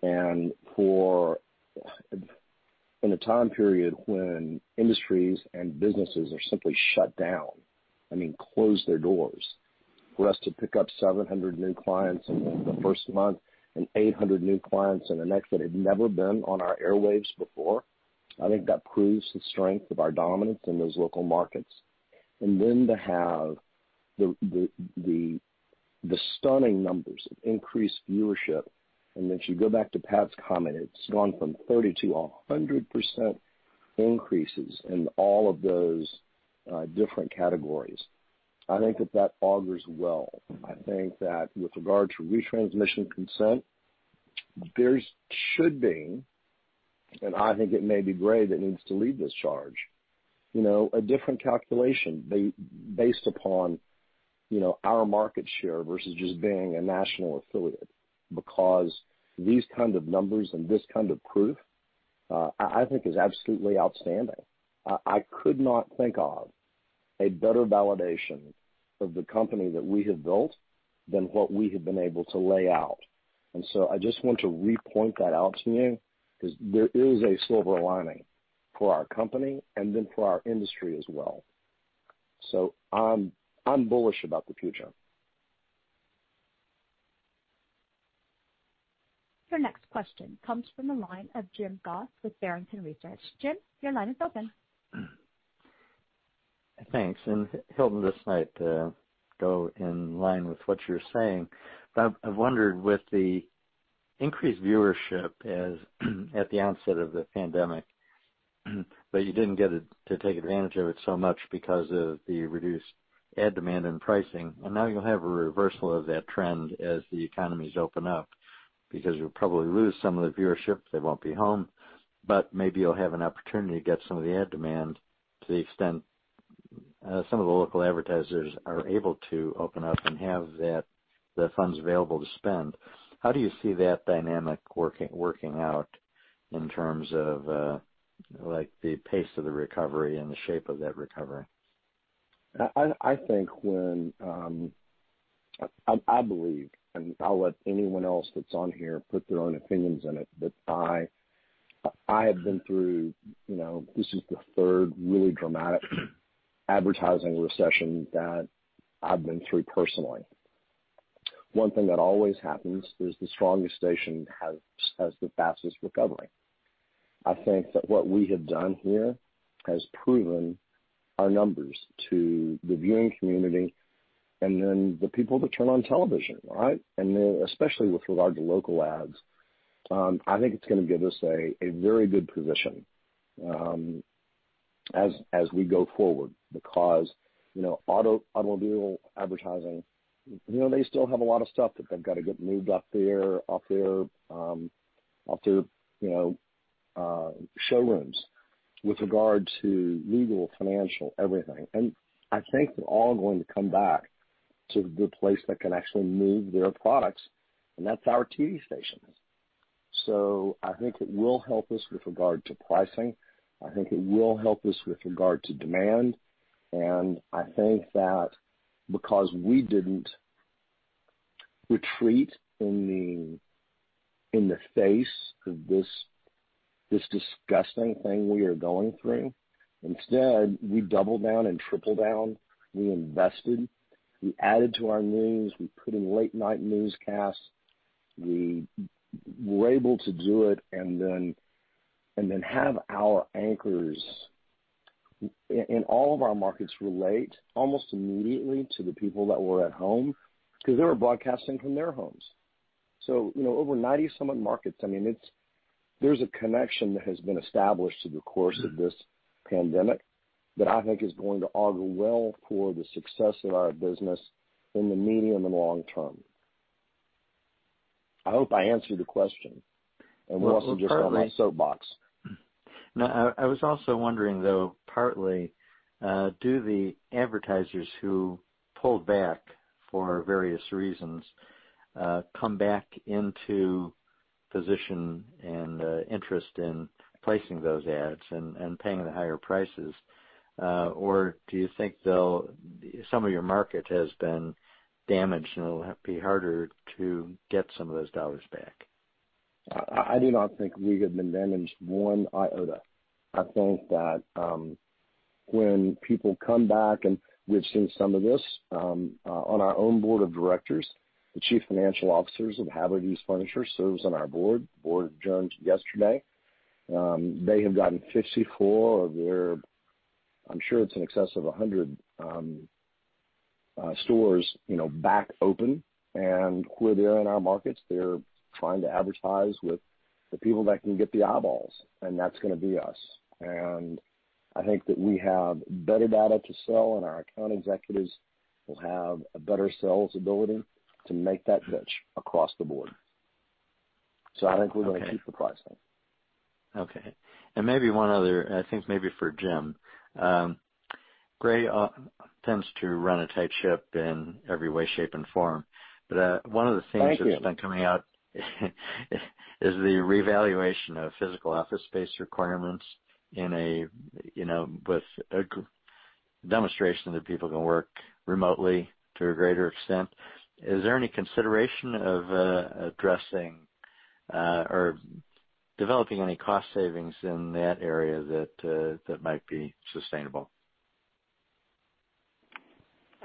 Speaker 2: In a time period when industries and businesses are simply shut down, I mean closed their doors, for us to pick up 700 new clients in the first month and 800 new clients in the next that have never been on our airwaves before, I think that proves the strength of our dominance in those local markets. To have the stunning numbers of increased viewership, if you go back to Pat's comment, it's gone from 30% to 100% increases in all of those different categories. I think that that augurs well. I think that with regard to retransmission consent, there should be, and I think it may be Gray that needs to lead this charge, a different calculation based upon our market share versus just being a national affiliate. These kind of numbers and this kind of proof, I think is absolutely outstanding. I could not think of a better validation of the company that we have built than what we have been able to lay out. I just want to repoint that out to you because there is a silver lining for our company and then for our industry as well. I'm bullish about the future.
Speaker 1: Your next question comes from the line of Jim Goss with Barrington Research. Jim, your line is open.
Speaker 9: Thanks. Hilton, just might go in line with what you're saying. I've wondered with the increased viewership as at the onset of the pandemic, but you didn't get to take advantage of it so much because of the reduced ad demand and pricing, now you'll have a reversal of that trend as the economies open up, because you'll probably lose some of the viewership. They won't be home. Maybe you'll have an opportunity to get some of the ad demand, to the extent some of the local advertisers are able to open up and have the funds available to spend. How do you see that dynamic working out in terms of the pace of the recovery and the shape of that recovery?
Speaker 2: I believe, and I'll let anyone else that's on here put their own opinions in it, but I have been through This is the third really dramatic advertising recession that I've been through personally. One thing that always happens is the strongest station has the fastest recovery. I think that what we have done here has proven our numbers to the viewing community and then the people that turn on television, right? Especially with regard to local ads, I think it's going to give us a very good position as we go forward because automobile advertising, they still have a lot of stuff that they've got to get moved off their showrooms with regard to legal, financial, everything. I think they're all going to come back to the place that can actually move their products, and that's our TV stations. I think it will help us with regard to pricing. I think it will help us with regard to demand. I think that because we didn't retreat in the face of this disgusting thing we are going through, instead, we doubled down and tripled down. We invested, we added to our news, we put in late-night newscasts. We were able to do it and then have our anchors in all of our markets relate almost immediately to the people that were at home because they were broadcasting from their homes. Over 90-some-odd markets, there's a connection that has been established through the course of this pandemic that I think is going to augur well for the success of our business in the medium and long term. I hope I answered the question. We're also just on that soapbox.
Speaker 9: No, I was also wondering, though, partly, do the advertisers who pulled back for various reasons, come back into position and interest in placing those ads and paying the higher prices? Or do you think some of your market has been damaged, and it'll be harder to get some of those dollars back?
Speaker 2: I do not think we have been damaged one iota. I think that when people come back, and we've seen some of this on our own board of directors, the Chief Financial Officer of Haverty Furniture serves on our board. Board adjourned yesterday. They have gotten 54 of their, I'm sure it's in excess of 100 stores, back open. Where they're in our markets, they're trying to advertise with the people that can get the eyeballs, and that's going to be us. I think that we have better data to sell, and our account executives will have a better sales ability to make that pitch across the board. I think we're going to keep the pricing.
Speaker 9: Okay. Maybe one other, I think maybe for Jim. Gray tends to run a tight ship in every way, shape, and form. One of the things.
Speaker 2: Thank you.
Speaker 9: that's been coming out, is the revaluation of physical office space requirements with a demonstration that people can work remotely to a greater extent. Is there any consideration of addressing or developing any cost savings in that area that might be sustainable?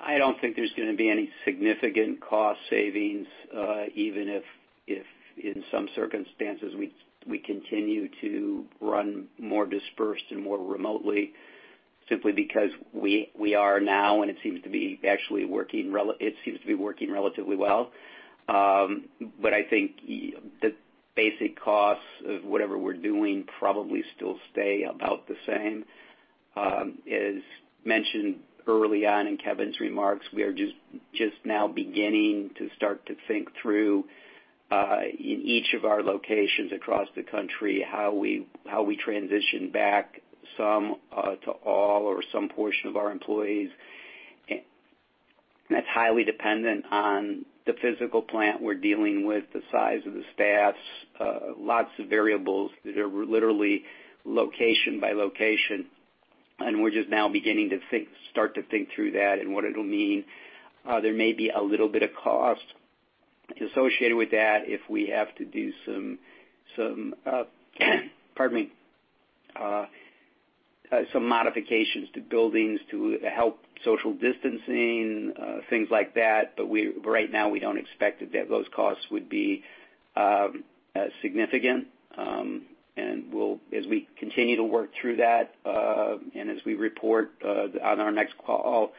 Speaker 5: I don't think there's going to be any significant cost savings, even if in some circumstances, we continue to run more dispersed and more remotely, simply because we are now, and it seems to be working relatively well. I think the basic costs of whatever we're doing probably still stay about the same. As mentioned early on in Kevin's remarks, we are just now beginning to start to think through, in each of our locations across the country, how we transition back some to all or some portion of our employees. That's highly dependent on the physical plant we're dealing with, the size of the staffs, lots of variables that are literally location by location, and we're just now beginning to start to think through that and what it'll mean. There may be a little bit of cost associated with that if we have to do some modifications to buildings to help social distancing, things like that. Right now, we don't expect that those costs would be significant. As we continue to work through that, and as we report on our next call,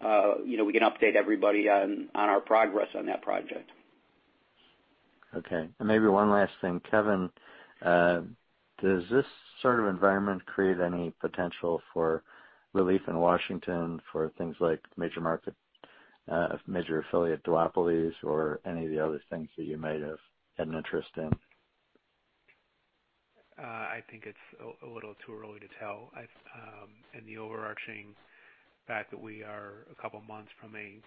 Speaker 5: we can update everybody on our progress on that project.
Speaker 9: Okay. Maybe one last thing, Kevin, does this sort of environment create any potential for relief in Washington for things like major affiliate duopolies or any of the other things that you might have had an interest in?
Speaker 3: I think it's a little too early to tell. The overarching fact that we are a couple of months from an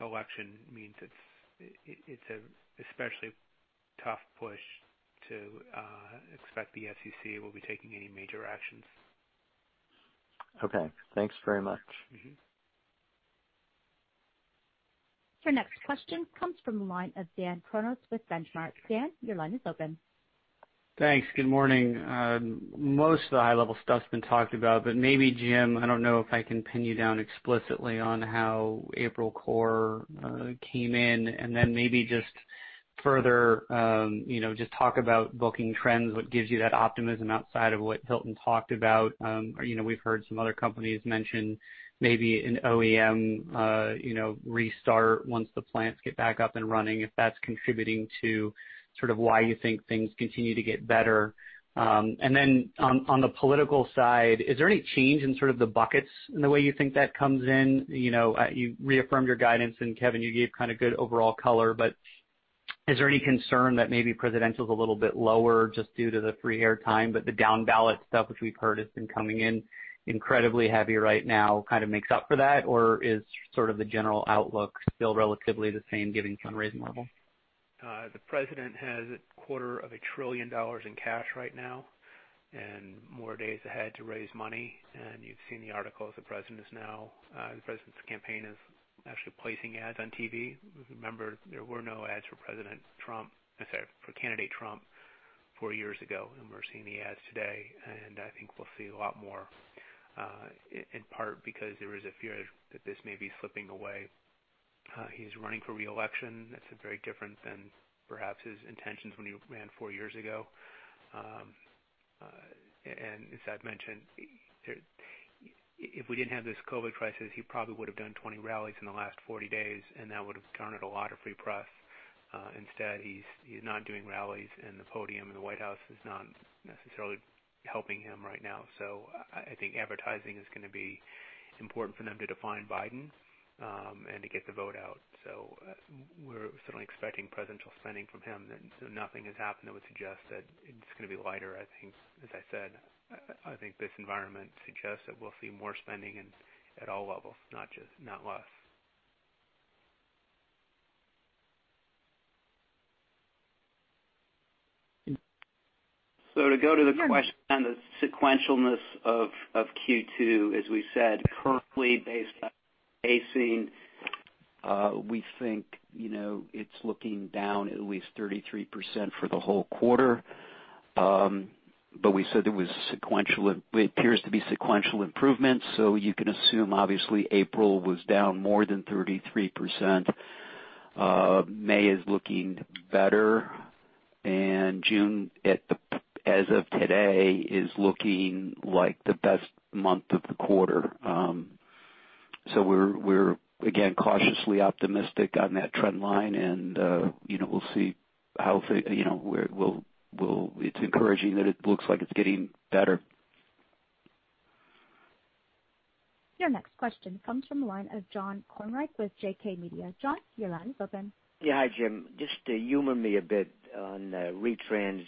Speaker 3: election means it's an especially tough push to expect the SEC will be taking any major actions.
Speaker 9: Okay. Thanks very much.
Speaker 1: Your next question comes from the line of Dan Kurnos with Benchmark. Dan, your line is open.
Speaker 10: Thanks. Good morning. Most of the high-level stuff's been talked about, but maybe, Jim, I don't know if I can pin you down explicitly on how April core came in, but maybe just further talk about booking trends, what gives you that optimism outside of what Hilton talked about. Or we've heard some other companies mention maybe an OEM restart once the plants get back up and running, if that's contributing to why you think things continue to get better. On the political side, is there any change in sort of the buckets in the way you think that comes in? You reaffirmed your guidance, and Kevin, you gave kind of good overall color, but is there any concern that maybe presidential's a little bit lower just due to the free air time, but the down-ballot stuff, which we've heard has been coming in incredibly heavy right now, kind of makes up for that? Or is sort of the general outlook still relatively the same given fundraising levels?
Speaker 3: The president has a quarter of a trillion dollars in cash right now and more days ahead to raise money. You've seen the articles, the president's campaign is actually placing ads on TV. Remember, there were no ads for candidate Trump four years ago, and we're seeing the ads today, and I think we'll see a lot more, in part because there is a fear that this may be slipping away. He's running for re-election. That's very different than perhaps his intentions when he ran four years ago. As I've mentioned, if we didn't have this COVID crisis, he probably would have done 20 rallies in the last 40 days, and that would have garnered a lot of free press. Instead, he's not doing rallies, and the podium and the White House is not necessarily helping him right now. I think advertising is going to be important for them to define Biden, and to get the vote out. We're certainly expecting presidential spending from him then. Nothing has happened that would suggest that it's going to be lighter, I think. As I said, I think this environment suggests that we'll see more spending at all levels, not less.
Speaker 5: To go to the question on the sequentialness of Q2, as we said, currently based on pacing, we think it's looking down at least 33% for the whole quarter. We said there appears to be sequential improvements, so you can assume, obviously, April was down more than 33%. May is looking better, and June, as of today, is looking like the best month of the quarter. We're, again, cautiously optimistic on that trend line and we'll see. It's encouraging that it looks like it's getting better.
Speaker 1: Your next question comes from the line of John Kornreich with JK Media. John, your line is open.
Speaker 11: Yeah. Hi, Jim. Just humor me a bit on retrans,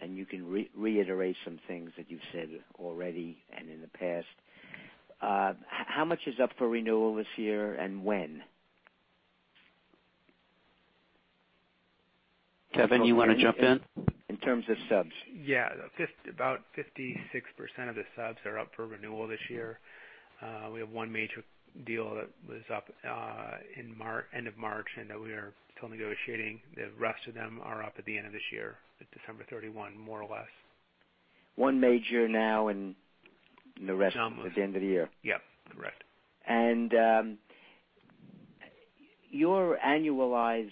Speaker 11: and you can reiterate some things that you've said already and in the past. How much is up for renewal this year and when?
Speaker 5: Kevin, you want to jump in?
Speaker 11: In terms of subs.
Speaker 3: Yeah. About 56% of the subs are up for renewal this year. We have one major deal that was up end of March, and that we are still negotiating. The rest of them are up at the end of this year, at December 31, more or less.
Speaker 11: One major now.
Speaker 3: Almost
Speaker 11: at the end of the year.
Speaker 3: Yep. Correct.
Speaker 11: Your annualized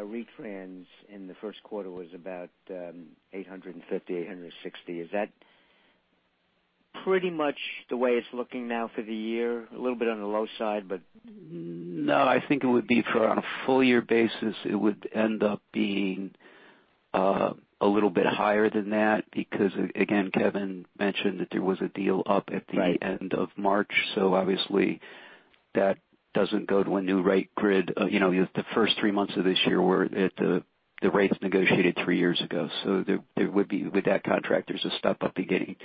Speaker 11: retrans in the first quarter was about $850,860. Is that pretty much the way it's looking now for the year? A little bit on the low side, but
Speaker 5: No, I think it would be for on a full year basis, it would end up being a little bit higher than that because, again, Kevin mentioned that there was a deal up at the.
Speaker 11: Right
Speaker 5: end of March. Obviously that doesn't go to a new rate grid. The first three months of this year were at the rates negotiated three years ago. With that contract, there's a step-up beginning,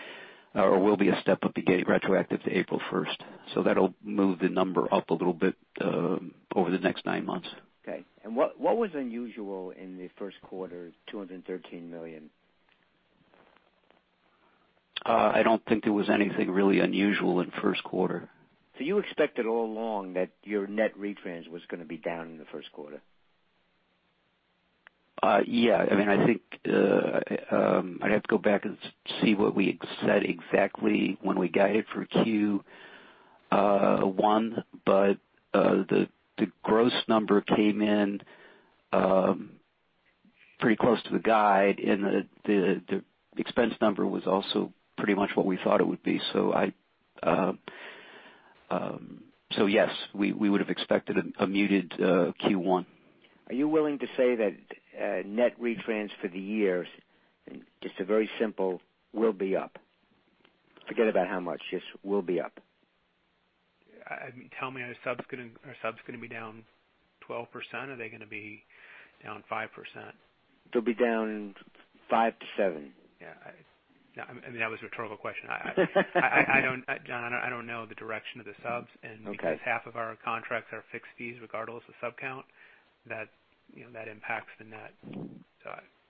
Speaker 5: or will be a step-up beginning retroactive to April 1st. That'll move the number up a little bit over the next nine months.
Speaker 11: Okay. What was unusual in the first quarter, $213 million?
Speaker 5: I don't think there was anything really unusual in first quarter.
Speaker 11: You expected all along that your net retrans was going to be down in the first quarter?
Speaker 5: Yeah. I'd have to go back and see what we said exactly when we guided for Q1, the gross number came in pretty close to the guide, and the expense number was also pretty much what we thought it would be. Yes, we would have expected a muted Q1.
Speaker 11: Are you willing to say that net retrans for the year, just a very simple, will be up? Forget about how much, just will be up.
Speaker 3: Tell me, are subs going to be down 12%? Are they going to be down 5%?
Speaker 11: They'll be down 5-7.
Speaker 3: Yeah. I mean, that was a rhetorical question. John, I don't know the direction of the subs-
Speaker 11: Okay
Speaker 3: Because half of our contracts are fixed fees regardless of sub count, that impacts the net.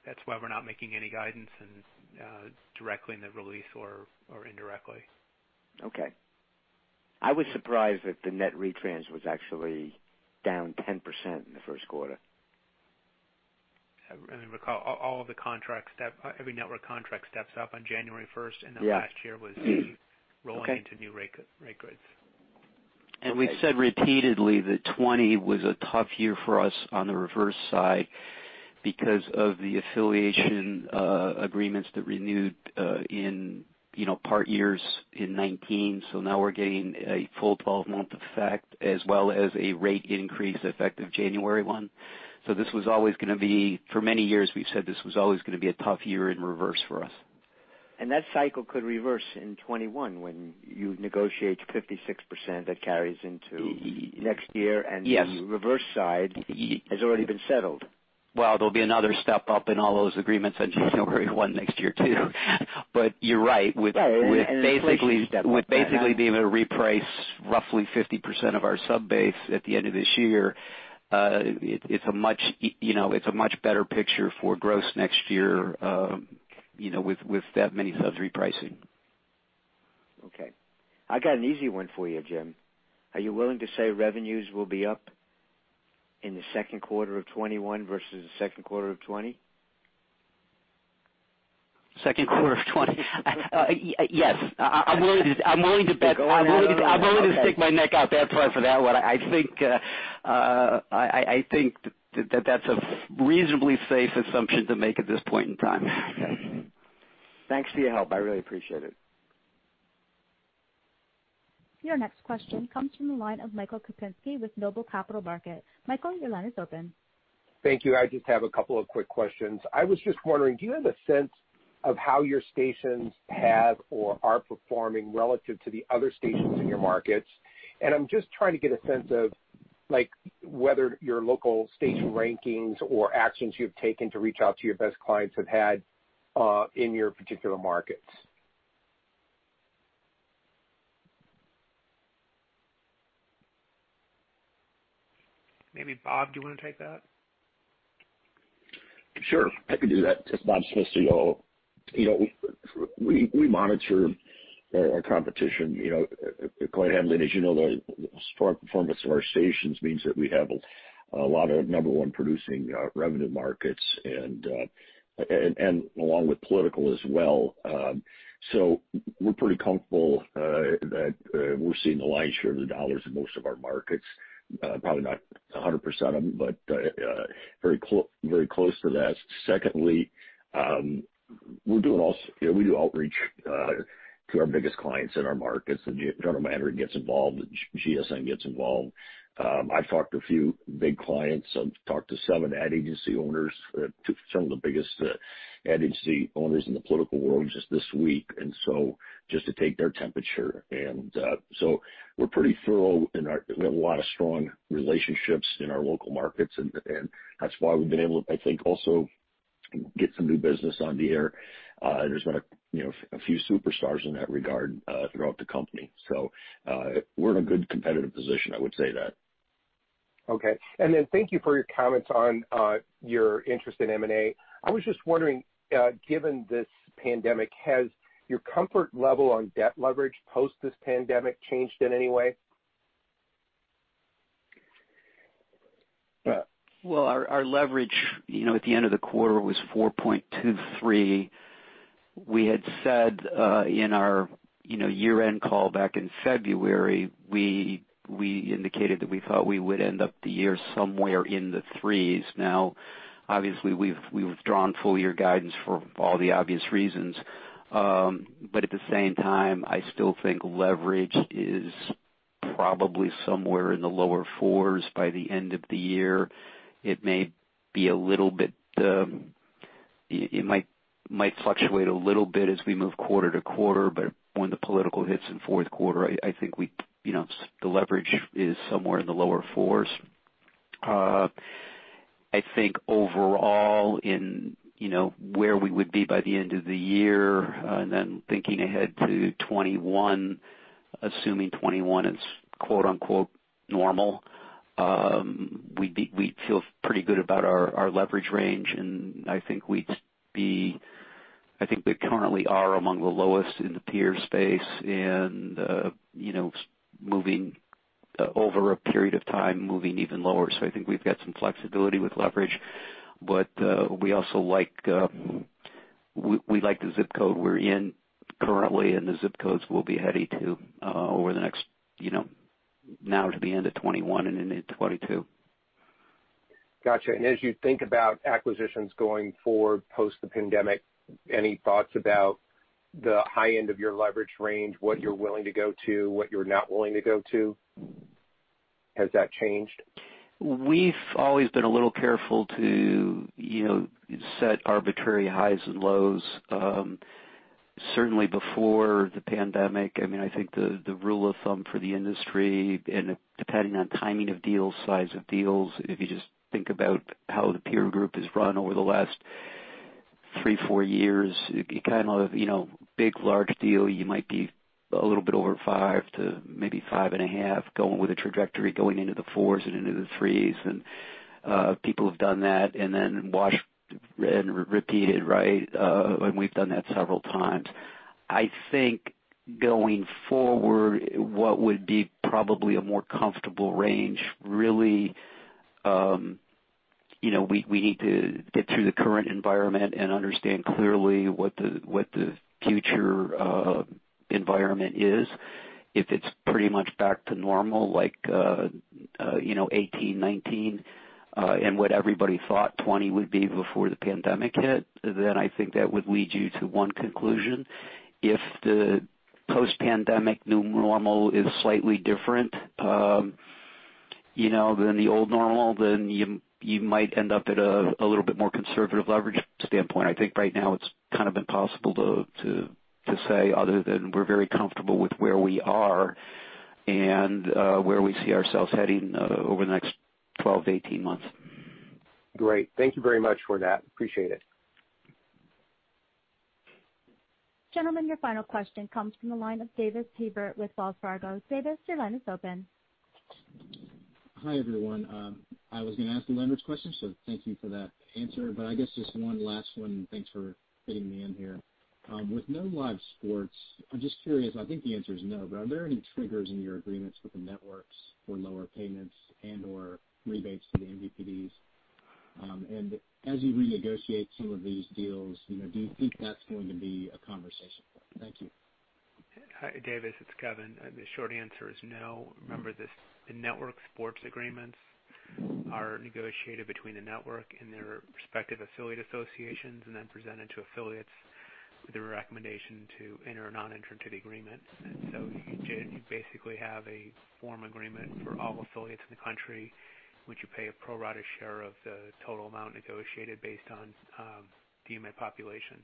Speaker 3: That's why we're not making any guidance and directly in the release or indirectly.
Speaker 11: I was surprised that the net retrans was actually down 10% in the first quarter.
Speaker 3: I mean, recall every network contract steps up on January 1st.
Speaker 11: Yeah
Speaker 3: last year was rolling-
Speaker 11: Okay
Speaker 3: into new rate grids.
Speaker 5: We've said repeatedly that 2020 was a tough year for us on the reverse side because of the affiliation agreements that renewed in part years in 2019. Now we're getting a full 12-month effect as well as a rate increase effective January 1. For many years, we've said this was always going to be a tough year in reverse for us.
Speaker 11: That cycle could reverse in 2021 when you negotiate 56% that carries into next year.
Speaker 5: Yes
Speaker 11: The reverse side has already been settled.
Speaker 5: Well, there'll be another step up in all those agreements on January 1 next year, too. You're right.
Speaker 11: Yeah. An inflation step up.
Speaker 5: With basically being able to reprice roughly 50% of our sub base at the end of this year, it's a much better picture for gross next year, with that many subs repricing.
Speaker 11: Okay. I got an easy one for you, Jim. Are you willing to say revenues will be up in the second quarter of 2021 versus the second quarter of 2020?
Speaker 5: Second quarter of 2020. Yes.
Speaker 11: Okay.
Speaker 5: I'm willing to stick my neck out that far for that one. I think that's a reasonably safe assumption to make at this point in time.
Speaker 11: Okay. Thanks for your help. I really appreciate it.
Speaker 1: Your next question comes from the line of Michael Kupinski with Noble Capital Markets. Michael, your line is open.
Speaker 12: Thank you. I just have a couple of quick questions. I was just wondering, do you have a sense of how your stations have or are performing relative to the other stations in your markets? I'm just trying to get a sense of whether your local station rankings or actions you've taken to reach out to your best clients have had in your particular markets.
Speaker 3: Maybe, Bob, do you want to take that?
Speaker 13: Sure, I can do that. It's Bob Smith. We monitor our competition quite heavily. As you know, the strong performance of our stations means that we have a lot of number 1 producing revenue markets along with political as well. We're pretty comfortable that we're seeing the lion's share of the dollars in most of our markets. Probably not 100% of them, but very close to that. Secondly, we do outreach to our biggest clients in our markets. The general manager gets involved, the GSM gets involved. I've talked to a few big clients. I've talked to seven ad agency owners, some of the biggest ad agency owners in the political world just this week, and so just to take their temperature. We're pretty thorough. We have a lot of strong relationships in our local markets. That's why we've been able to, I think, also get some new business on the air. There's been a few superstars in that regard throughout the company. We're in a good competitive position, I would say that.
Speaker 12: Okay. Thank you for your comments on your interest in M&A. I was just wondering, given this pandemic, has your comfort level on debt leverage post this pandemic changed in any way?
Speaker 5: Well, our leverage, at the end of the quarter was 4.23. We had said in our year-end call back in February, we indicated that we thought we would end up the year somewhere in the threes. Obviously, we've withdrawn full year guidance for all the obvious reasons. At the same time, I still think leverage is probably somewhere in the lower fours by the end of the year. It might fluctuate a little bit as we move quarter-to-quarter, but when the political hits in fourth quarter, I think the leverage is somewhere in the lower fours. I think overall in where we would be by the end of the year, and then thinking ahead to 2021, assuming 2021 is quote unquote "normal," we feel pretty good about our leverage range. I think we currently are among the lowest in the peer space and over a period of time, moving even lower. I think we've got some flexibility with leverage, but we also like the zip code we're in currently and the zip codes we'll be heading to over the next, now to the end of 2021 and into 2022.
Speaker 12: Got you. As you think about acquisitions going forward post the pandemic, any thoughts about the high end of your leverage range, what you're willing to go to, what you're not willing to go to? Has that changed?
Speaker 5: We've always been a little careful to set arbitrary highs and lows. Certainly before the pandemic, I think the rule of thumb for the industry, and depending on timing of deals, size of deals, if you just think about how the peer group has run over the last three, four years, big, large deal, you might be a little bit over five to maybe five and a half, going with a trajectory going into the fours and into the threes. People have done that and then wash and repeat it, right? We've done that several times. I think going forward, what would be probably a more comfortable range, really, we need to get through the current environment and understand clearly what the future environment is. If it's pretty much back to normal, like 2018, 2019, and what everybody thought 2020 would be before the pandemic hit, I think that would lead you to one conclusion. If the post-pandemic new normal is slightly different than the old normal, you might end up at a little bit more conservative leverage standpoint. I think right now it's kind of impossible to say other than we're very comfortable with where we are and where we see ourselves heading over the next 12 to 18 months.
Speaker 12: Great. Thank you very much for that. Appreciate it.
Speaker 1: Gentlemen, your final question comes from the line of Davis Hebert with Wells Fargo. Davis, your line is open.
Speaker 14: Hi, everyone. I was going to ask the leverage question. Thank you for that answer. I guess just one last one, and thanks for fitting me in here. With no live sports, I'm just curious, I think the answer is no, but are there any triggers in your agreements with the networks for lower payments and/or rebates to the MVPDs? As you renegotiate some of these deals, do you think that's going to be a conversation? Thank you.
Speaker 3: Hi, Davis, it's Kevin. The short answer is no. Remember, the network sports agreements are negotiated between the network and their respective affiliate associations and then presented to affiliates with a recommendation to enter a non-interference agreement. You basically have a form agreement for all affiliates in the country, in which you pay a pro rata share of the total amount negotiated based on DMA population.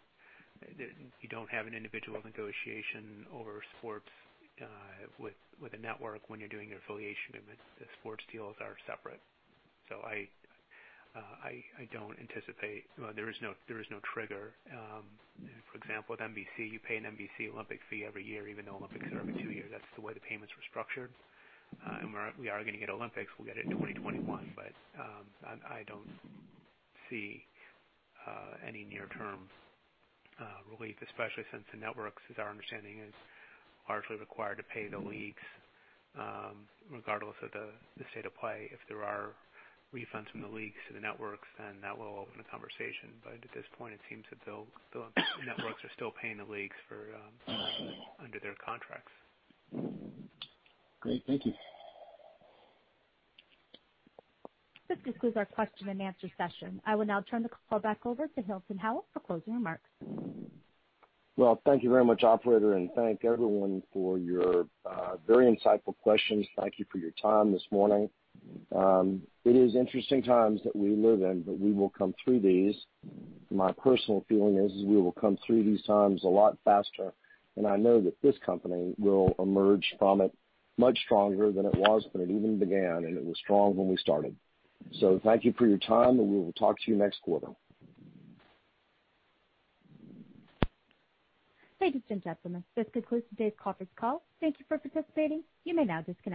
Speaker 3: You don't have an individual negotiation over sports with a network when you're doing your affiliation agreements. The sports deals are separate. There is no trigger. For example, with NBC, you pay an NBC Olympic fee every year, even though Olympics are every two years. That's the way the payments were structured. We are going to get Olympics, we'll get it in 2021. I don't see any near-term relief, especially since the networks is our understanding is largely required to pay the leagues, regardless of the state of play. If there are refunds from the leagues to the networks, then that will open a conversation. At this point, it seems that the networks are still paying the leagues under their contracts.
Speaker 14: Great. Thank you.
Speaker 1: This concludes our question and answer session. I will now turn the call back over to Hilton Howell for closing remarks.
Speaker 2: Well, thank you very much, operator, and thank everyone for your very insightful questions. Thank you for your time this morning. It is interesting times that we live in, but we will come through these. My personal feeling is we will come through these times a lot faster, and I know that this company will emerge from it much stronger than it was when it even began, and it was strong when we started. Thank you for your time, and we will talk to you next quarter.
Speaker 1: Ladies and gentlemen, this concludes today's conference call. Thank you for participating. You may now disconnect.